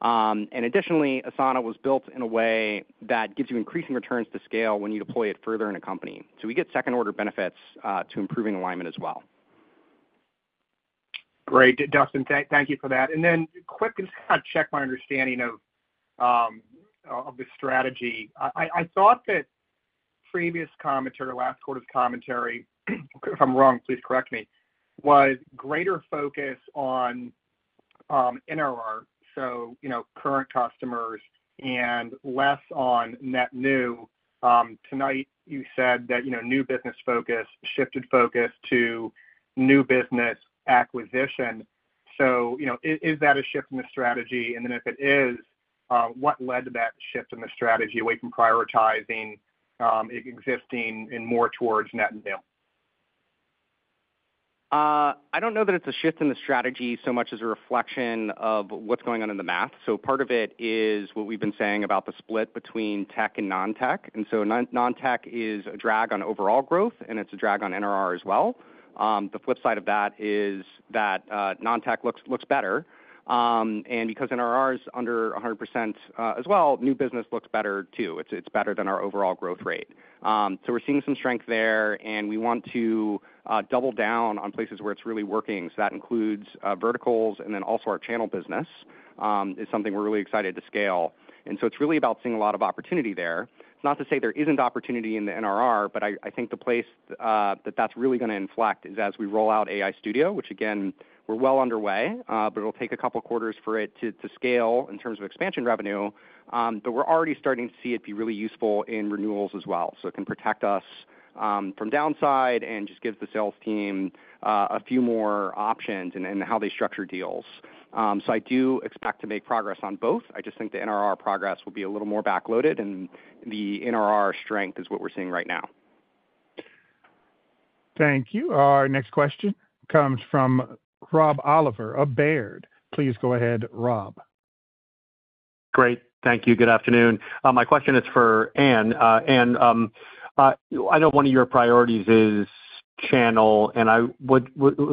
Additionally, Asana was built in a way that gives you increasing returns to scale when you deploy it further in a company. We get second-order benefits to improving alignment as well. Great. Dustin, thank you for that. Quick to kind of check my understanding of the strategy. I thought that previous commentary or last quarter's commentary, if I'm wrong, please correct me, was greater focus on NRR, so current customers, and less on net new. Tonight, you said that new business focus shifted focus to new business acquisition. Is that a shift in the strategy? If it is, what led to that shift in the strategy away from prioritizing existing and more towards net new? I don't know that it's a shift in the strategy so much as a reflection of what's going on in the math. Part of it is what we've been saying about the split between tech and non-tech. Non-tech is a drag on overall growth, and it's a drag on NRR as well. The flip side of that is that non-tech looks better. And because NRR is under 100% as well, new business looks better too. It's better than our overall growth rate. We're seeing some strength there, and we want to double down on places where it's really working. That includes verticals, and then also our channel business is something we're really excited to scale. It's really about seeing a lot of opportunity there. It's not to say there isn't opportunity in the NRR, but I think the place that that's really going to inflect is as we roll out AI Studio, which, again, we're well underway, but it'll take a couple of quarters for it to scale in terms of expansion revenue. We're already starting to see it be really useful in renewals as well. It can protect us from downside and just gives the sales team a few more options in how they structure deals. I do expect to make progress on both. I just think the NRR progress will be a little more backloaded, and the NRR strength is what we're seeing right now. Thank you. Our next question comes from Rob Oliver of Baird. Please go ahead, Rob. Great. Thank you. Good afternoon. My question is for Anne. Anne, I know one of your priorities is channel, and I was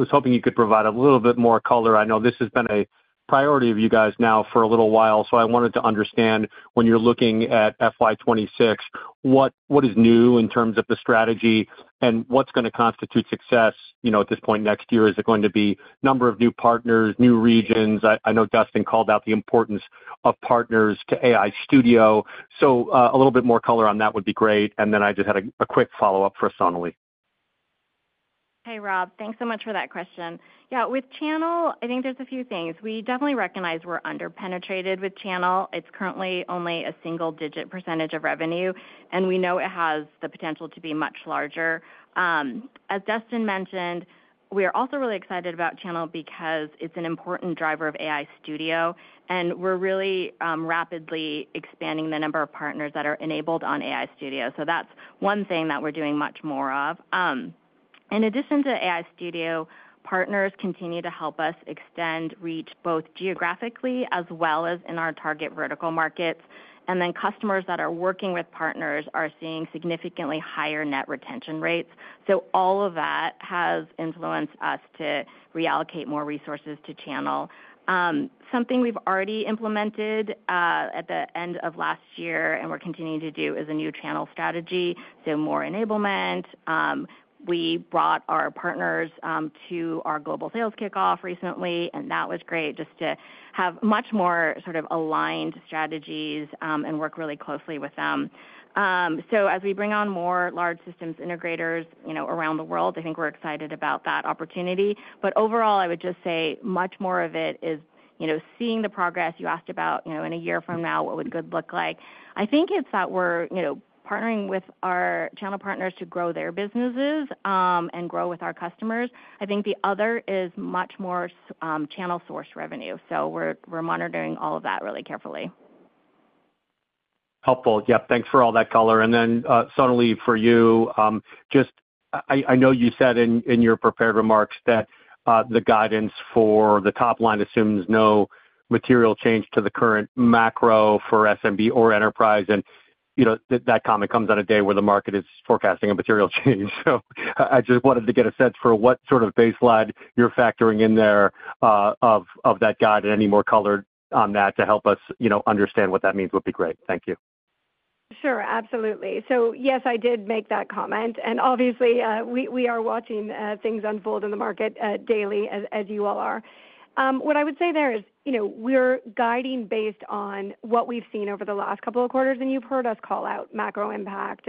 hoping you could provide a little bit more color. I know this has been a priority of you guys now for a little while, so I wanted to understand when you're looking at FY2026, what is new in terms of the strategy and what's going to constitute success at this point next year? Is it going to be a number of new partners, new regions? I know Dustin called out the importance of partners to AI Studio. A little bit more color on that would be great. I just had a quick follow-up for Sonalee. Hey, Rob, thanks so much for that question. Yeah, with channel, I think there's a few things. We definitely recognize we're underpenetrated with channel. It's currently only a single-digit percentage of revenue, and we know it has the potential to be much larger. As Dustin mentioned, we are also really excited about channel because it's an important driver of AI Studio, and we're really rapidly expanding the number of partners that are enabled on AI Studio. That's one thing that we're doing much more of. In addition to AI Studio, partners continue to help us extend reach both geographically as well as in our target vertical markets. Customers that are working with partners are seeing significantly higher net retention rates. All of that has influenced us to reallocate more resources to channel. Something we've already implemented at the end of last year and we're continuing to do is a new channel strategy, so more enablement. We brought our partners to our global sales kickoff recently, and that was great just to have much more sort of aligned strategies and work really closely with them. As we bring on more large systems integrators around the world, I think we're excited about that opportunity. Overall, I would just say much more of it is seeing the progress. You asked about in a year from now, what would good look like. I think it's that we're partnering with our channel partners to grow their businesses and grow with our customers. I think the other is much more channel-sourced revenue. We're monitoring all of that really carefully. Helpful. Yep, thanks for all that color. And then Sonalee, for you, just I know you said in your prepared remarks that the guidance for the top line assumes no material change to the current macro for SMB or enterprise. That comment comes on a day where the market is forecasting a material change. I just wanted to get a sense for what sort of baseline you're factoring in there of that guide and any more color on that to help us understand what that means would be great. Thank you. Sure, absolutely. Yes, I did make that comment. Obviously, we are watching things unfold in the market daily as you all are. What I would say there is we're guiding based on what we've seen over the last couple of quarters, and you've heard us call out macro impact.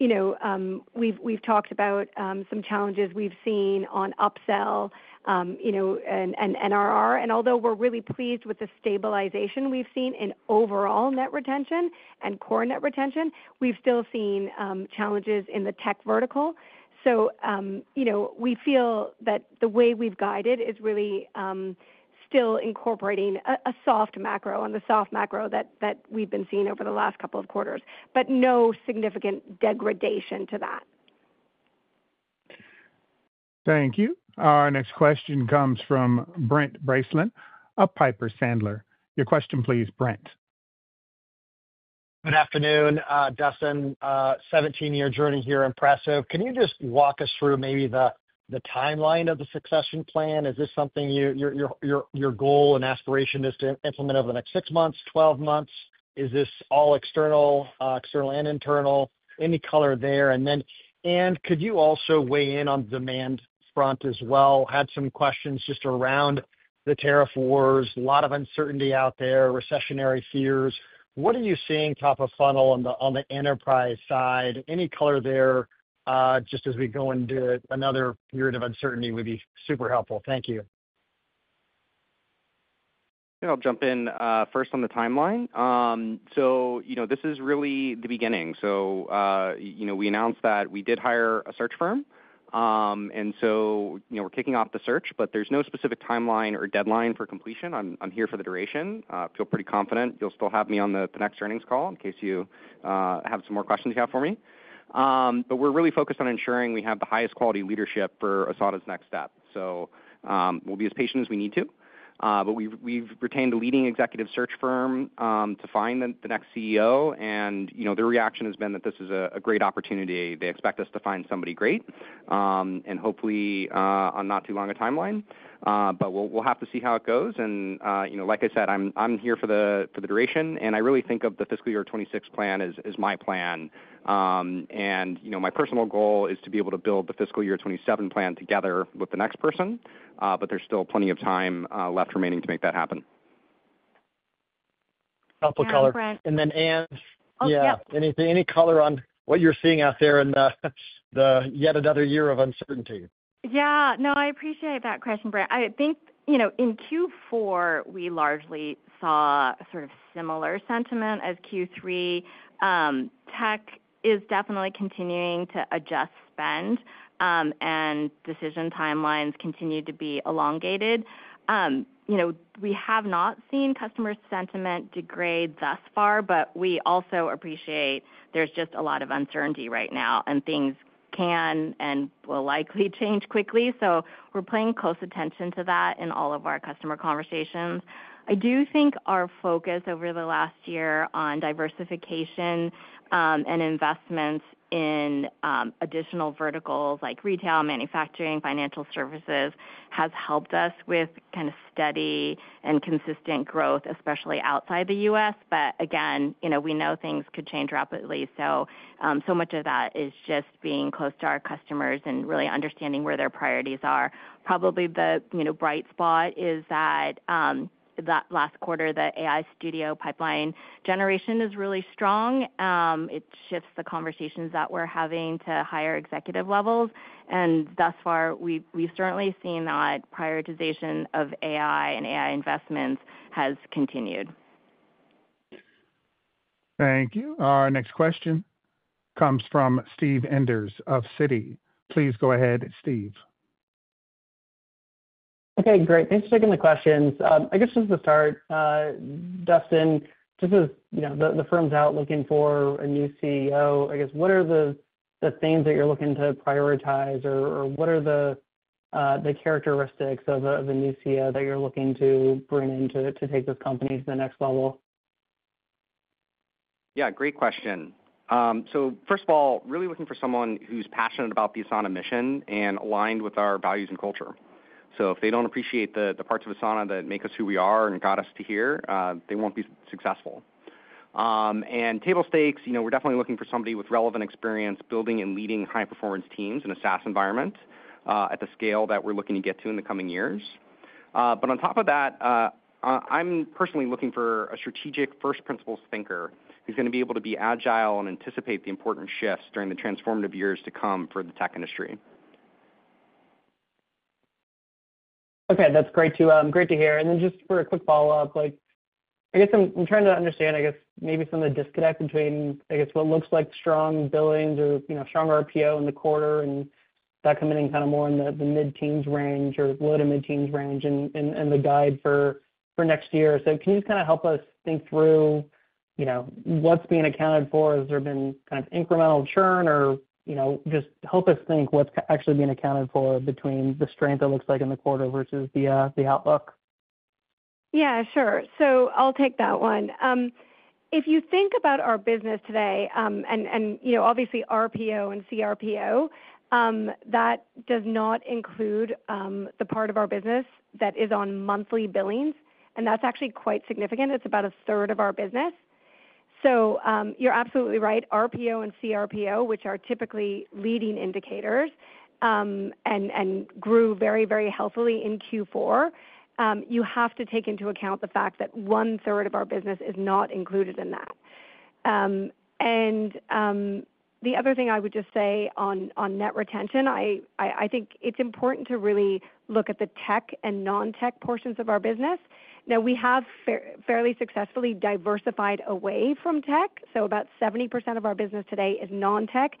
We've talked about some challenges we've seen on upsell and NRR. Although we're really pleased with the stabilization we've seen in overall net retention and core net retention, we've still seen challenges in the tech vertical. We feel that the way we've guided is really still incorporating a soft macro and the soft macro that we've been seeing over the last couple of quarters, but no significant degradation to that. Thank you. Our next question comes from Brent Bracelin at Piper Sandler. Your question, please, Brent. Good afternoon, Dustin. Seventeen-year journey here, impressive. Can you just walk us through maybe the timeline of the succession plan? Is this something your goal and aspiration is to implement over the next 6 months, 12 months? Is this all external, external and internal? Any color there? Anne, could you also weigh in on the demand front as well? Had some questions just around the tariff wars, a lot of uncertainty out there, recessionary fears. What are you seeing top of funnel on the enterprise side? Any color there just as we go into another period of uncertainty would be super helpful. Thank you. I'll jump in first on the timeline. This is really the beginning. We announced that we did hire a search firm. We are kicking off the search, but there's no specific timeline or deadline for completion. I'm here for the duration. I feel pretty confident. You'll still have me on the next earnings call in case you have some more questions you have for me. We are really focused on ensuring we have the highest quality leadership for Asana's next step. We will be as patient as we need to. We have retained a leading executive search firm to find the next CEO. Their reaction has been that this is a great opportunity. They expect us to find somebody great and hopefully on not too long a timeline. We will have to see how it goes. Like I said, I'm here for the duration. I really think of the fiscal year 2026 plan as my plan. My personal goal is to be able to build the fiscal year 2027 plan together with the next person, but there is still plenty of time left remaining to make that happen. Helpful color. Anne, any color on what you're seeing out there in yet another year of uncertainty? Yeah. No, I appreciate that question, Brent. I think in Q4, we largely saw sort of similar sentiment as Q3. Tech is definitely continuing to adjust spend, and decision timelines continue to be elongated. We have not seen customer sentiment degrade thus far, but we also appreciate there's just a lot of uncertainty right now, and things can and will likely change quickly. We are paying close attention to that in all of our customer conversations. I do think our focus over the last year on diversification and investments in additional verticals like retail, manufacturing, financial services has helped us with kind of steady and consistent growth, especially outside the US. We know things could change rapidly. Much of that is just being close to our customers and really understanding where their priorities are. Probably the bright spot is that last quarter, the AI Studio pipeline generation is really strong. It shifts the conversations that we're having to higher executive levels. Thus far, we've certainly seen that prioritization of AI and AI investments has continued. Thank you. Our next question comes from Steve Enders of Citi. Please go ahead, Steve. Great. Thanks for taking the questions. I guess just to start, Dustin, just as the firm's out looking for a new CEO, what are the things that you're looking to prioritize, or what are the characteristics of a new CEO that you're looking to bring in to take this company to the next level? Great question. First of all, really looking for someone who's passionate about the Asana mission and aligned with our values and culture. If they don't appreciate the parts of Asana that make us who we are and got us to here, they won't be successful. Table stakes, we're definitely looking for somebody with relevant experience building and leading high-performance teams in a SaaS environment at the scale that we're looking to get to in the coming years. On top of that, I'm personally looking for a strategic first principles thinker who's going to be able to be agile and anticipate the important shifts during the transformative years to come for the tech industry. Okay, that's great to hear. Just for a quick follow-up, I guess I'm trying to understand, I guess, maybe some of the disconnect between, I guess, what looks like strong billings or strong RPO in the quarter and that coming in kind of more in the mid-teens range or low to mid-teens range and the guide for next year. Can you just kind of help us think through what's being accounted for? Has there been kind of incremental churn or just help us think what's actually being accounted for between the strength it looks like in the quarter versus the outlook? Yeah, sure. I'll take that one. If you think about our business today and obviously RPO and CRPO, that does not include the part of our business that is on monthly billings. That's actually quite significant. It's about a third of our business. You're absolutely right. RPO and CRPO, which are typically leading indicators and grew very, very healthily in Q4, you have to take into account the fact that one-third of our business is not included in that. The other thing I would just say on net retention, I think it's important to really look at the tech and non-tech portions of our business. Now, we have fairly successfully diversified away from tech. About 70% of our business today is non-tech.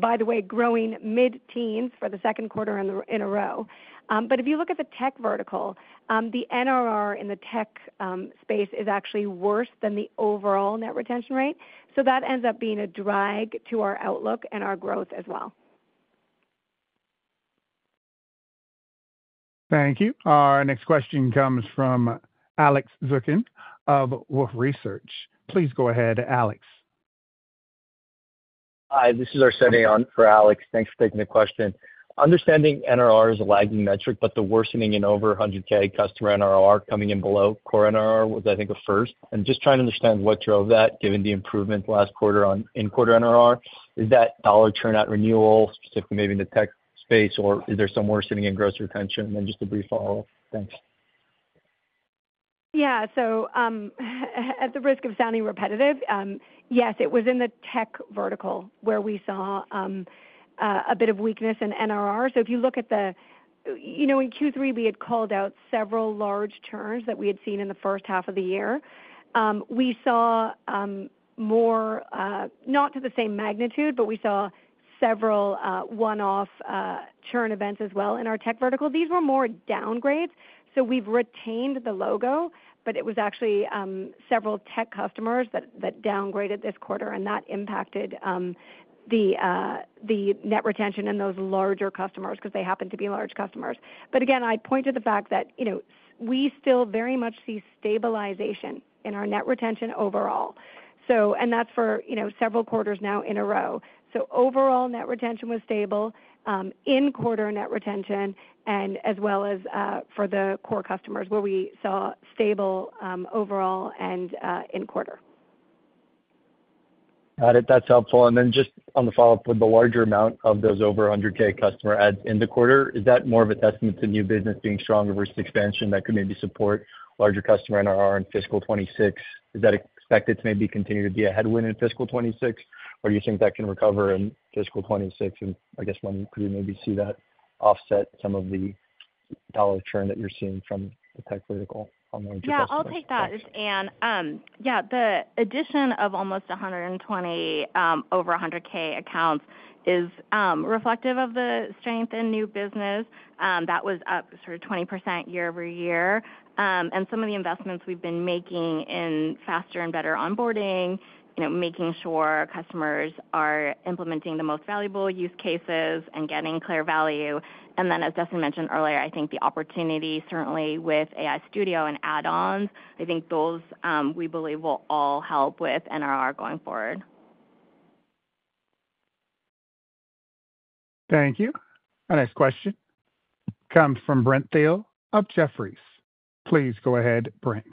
By the way, growing mid-teens for the Q2 in a row. If you look at the tech vertical, the NRR in the tech space is actually worse than the overall net retention rate. That ends up being a drag to our outlook and our growth as well. Thank you. Our next question comes from Alex Zukin of Wolfe Research. Please go ahead, Alex. Hi, this is Arsenio for Alex. Thanks for taking the question. Understanding NRR is a lagging metric, but the worsening in over $100,000 customer NRR coming in below core NRR was, I think, a first. Just trying to understand what drove that, given the improvement last quarter in quarter NRR. Is that dollar churn at renewal, specifically maybe in the tech space, or is there some worsening in gross retention? Just a brief follow-up. Thanks. Yeah. At the risk of sounding repetitive, yes, it was in the tech vertical where we saw a bit of weakness in NRR. If you look at Q3, we had called out several large churns that we had seen in the first half of the year. We saw more, not to the same magnitude, but we saw several one-off churn events as well in our tech vertical. These were more downgrades. We've retained the logo, but it was actually several tech customers that downgraded this quarter, and that impacted the net retention in those larger customers because they happen to be large customers. I point to the fact that we still very much see stabilization in our net retention overall. That's for several quarters now in a row. Overall net retention was stable, in quarter net retention, and as well as for the core customers where we saw stable overall and in quarter. Got it. That's helpful. Just on the follow-up with the larger amount of those over $100,000 customer ads in the quarter, is that more of a testament to new business being strong versus expansion that could maybe support larger customer NRR in fiscal 2026? Is that expected to maybe continue to be a headwind in fiscal 2026? Do you think that can recover in fiscal 2026? When could we maybe see that offset some of the dollar churn that you're seeing from the tech vertical online? I'll take that as Anne. The addition of almost 120 over 100K accounts is reflective of the strength in new business. That was up 20% year-over-year. Some of the investments we've been making in faster and better onboarding, making sure customers are implementing the most valuable use cases and getting clear value. As Dustin mentioned earlier, I think the opportunity certainly with AI Studio and add-ons, I think those we believe will all help with NRR going forward. Thank you. Our next question comes from Brent Thill of Jefferies. Please go ahead, Brent.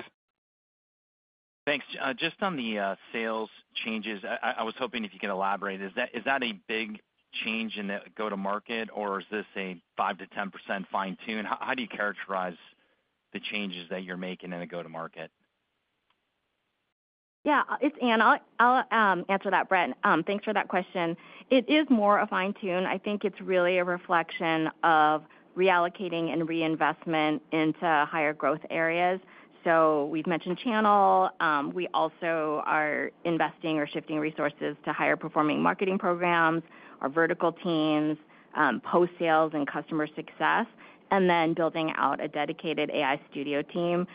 Thanks.Just on the sales changes, I was hoping if you can elaborate, is that a big change in the go-to-market, or is this a 5%-10% fine-tune? How do you characterize the changes that you're making in the go-to-market? Yeah, it's Anne. I'll answer that, Brent. Thanks for that question. It is more a fine-tune. I think it's really a reflection of reallocating and reinvestment into higher growth areas. We have mentioned channel. We also are investing or shifting resources to higher-performing marketing programs, our vertical teams, post-sales, and customer success, and then building out a dedicated AI Studio team.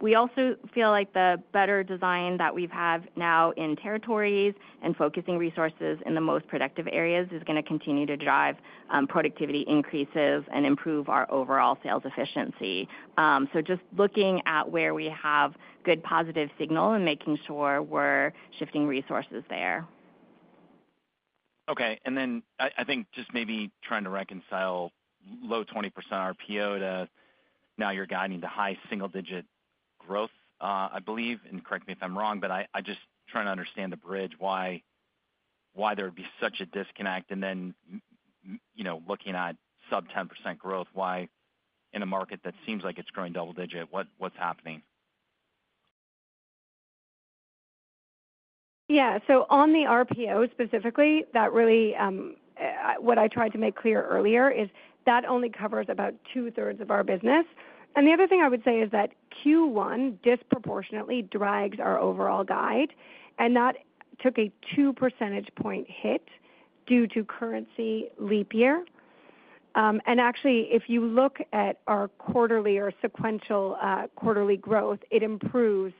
We also feel like the better design that we've had now in territories and focusing resources in the most productive areas is going to continue to drive productivity increases and improve our overall sales efficiency. Just looking at where we have good positive signal and making sure we're shifting resources there. Okay. I think just maybe trying to reconcile low 20% RPO to now you're guiding the high single-digit growth, I believe. Correct me if I'm wrong, but I just trying to understand the bridge, why there would be such a disconnect. Looking at sub 10% growth, why in a market that seems like it's growing double-digit, what's happening? Yeah. On the RPO specifically, what I tried to make clear earlier is that only covers about two-thirds of our business. The other thing I would say is that Q1 disproportionately drags our overall guide. That took a two percentage point hit due to currency leap year. Actually, if you look at our quarterly or sequential quarterly growth, it improves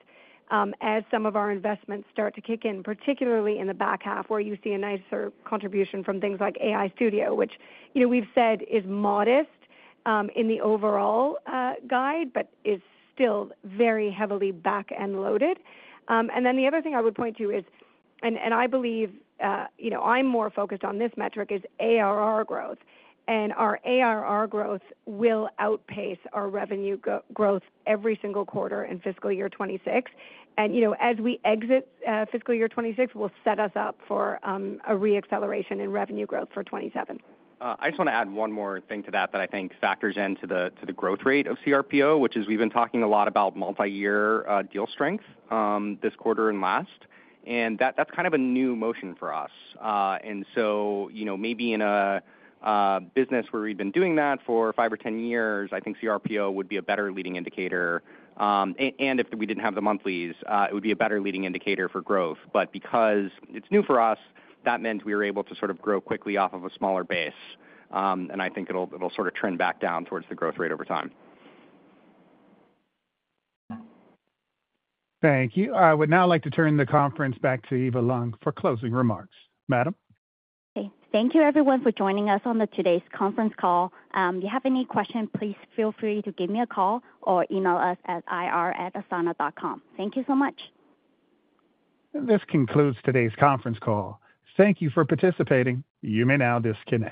as some of our investments start to kick in, particularly in the back half where you see a nicer contribution from things like AI Studio, which we've said is modest in the overall guide, but is still very heavily back-end loaded. The other thing I would point to is, and I believe I'm more focused on this metric, is ARR growth. Our ARR growth will outpace our revenue growth every single quarter in fiscal year 2026. As we exit fiscal year 2026, we'll set us up for a re-acceleration in revenue growth for 2027. I just want to add one more thing to that that I think factors into the growth rate of CRPO, which is we've been talking a lot about multi-year deal strength this quarter and last. That's kind of a new motion for us. Maybe in a business where we've been doing that for five or ten years, I think CRPO would be a better leading indicator. If we didn't have the monthlies, it would be a better leading indicator for growth. Because it's new for us, that meant we were able to sort of grow quickly off of a smaller base. I think it'll sort of trend back down towards the growth rate over time. Thank you. I would now like to turn the conference back to Eva Leung for closing remarks. Madam? Okay. Thank you, everyone, for joining us on today's conference call. If you have any questions, please feel free to give me a call or email us at ir@asana.com. Thank you so much. This concludes today's conference call. Thank you for participating. You may now disconnect.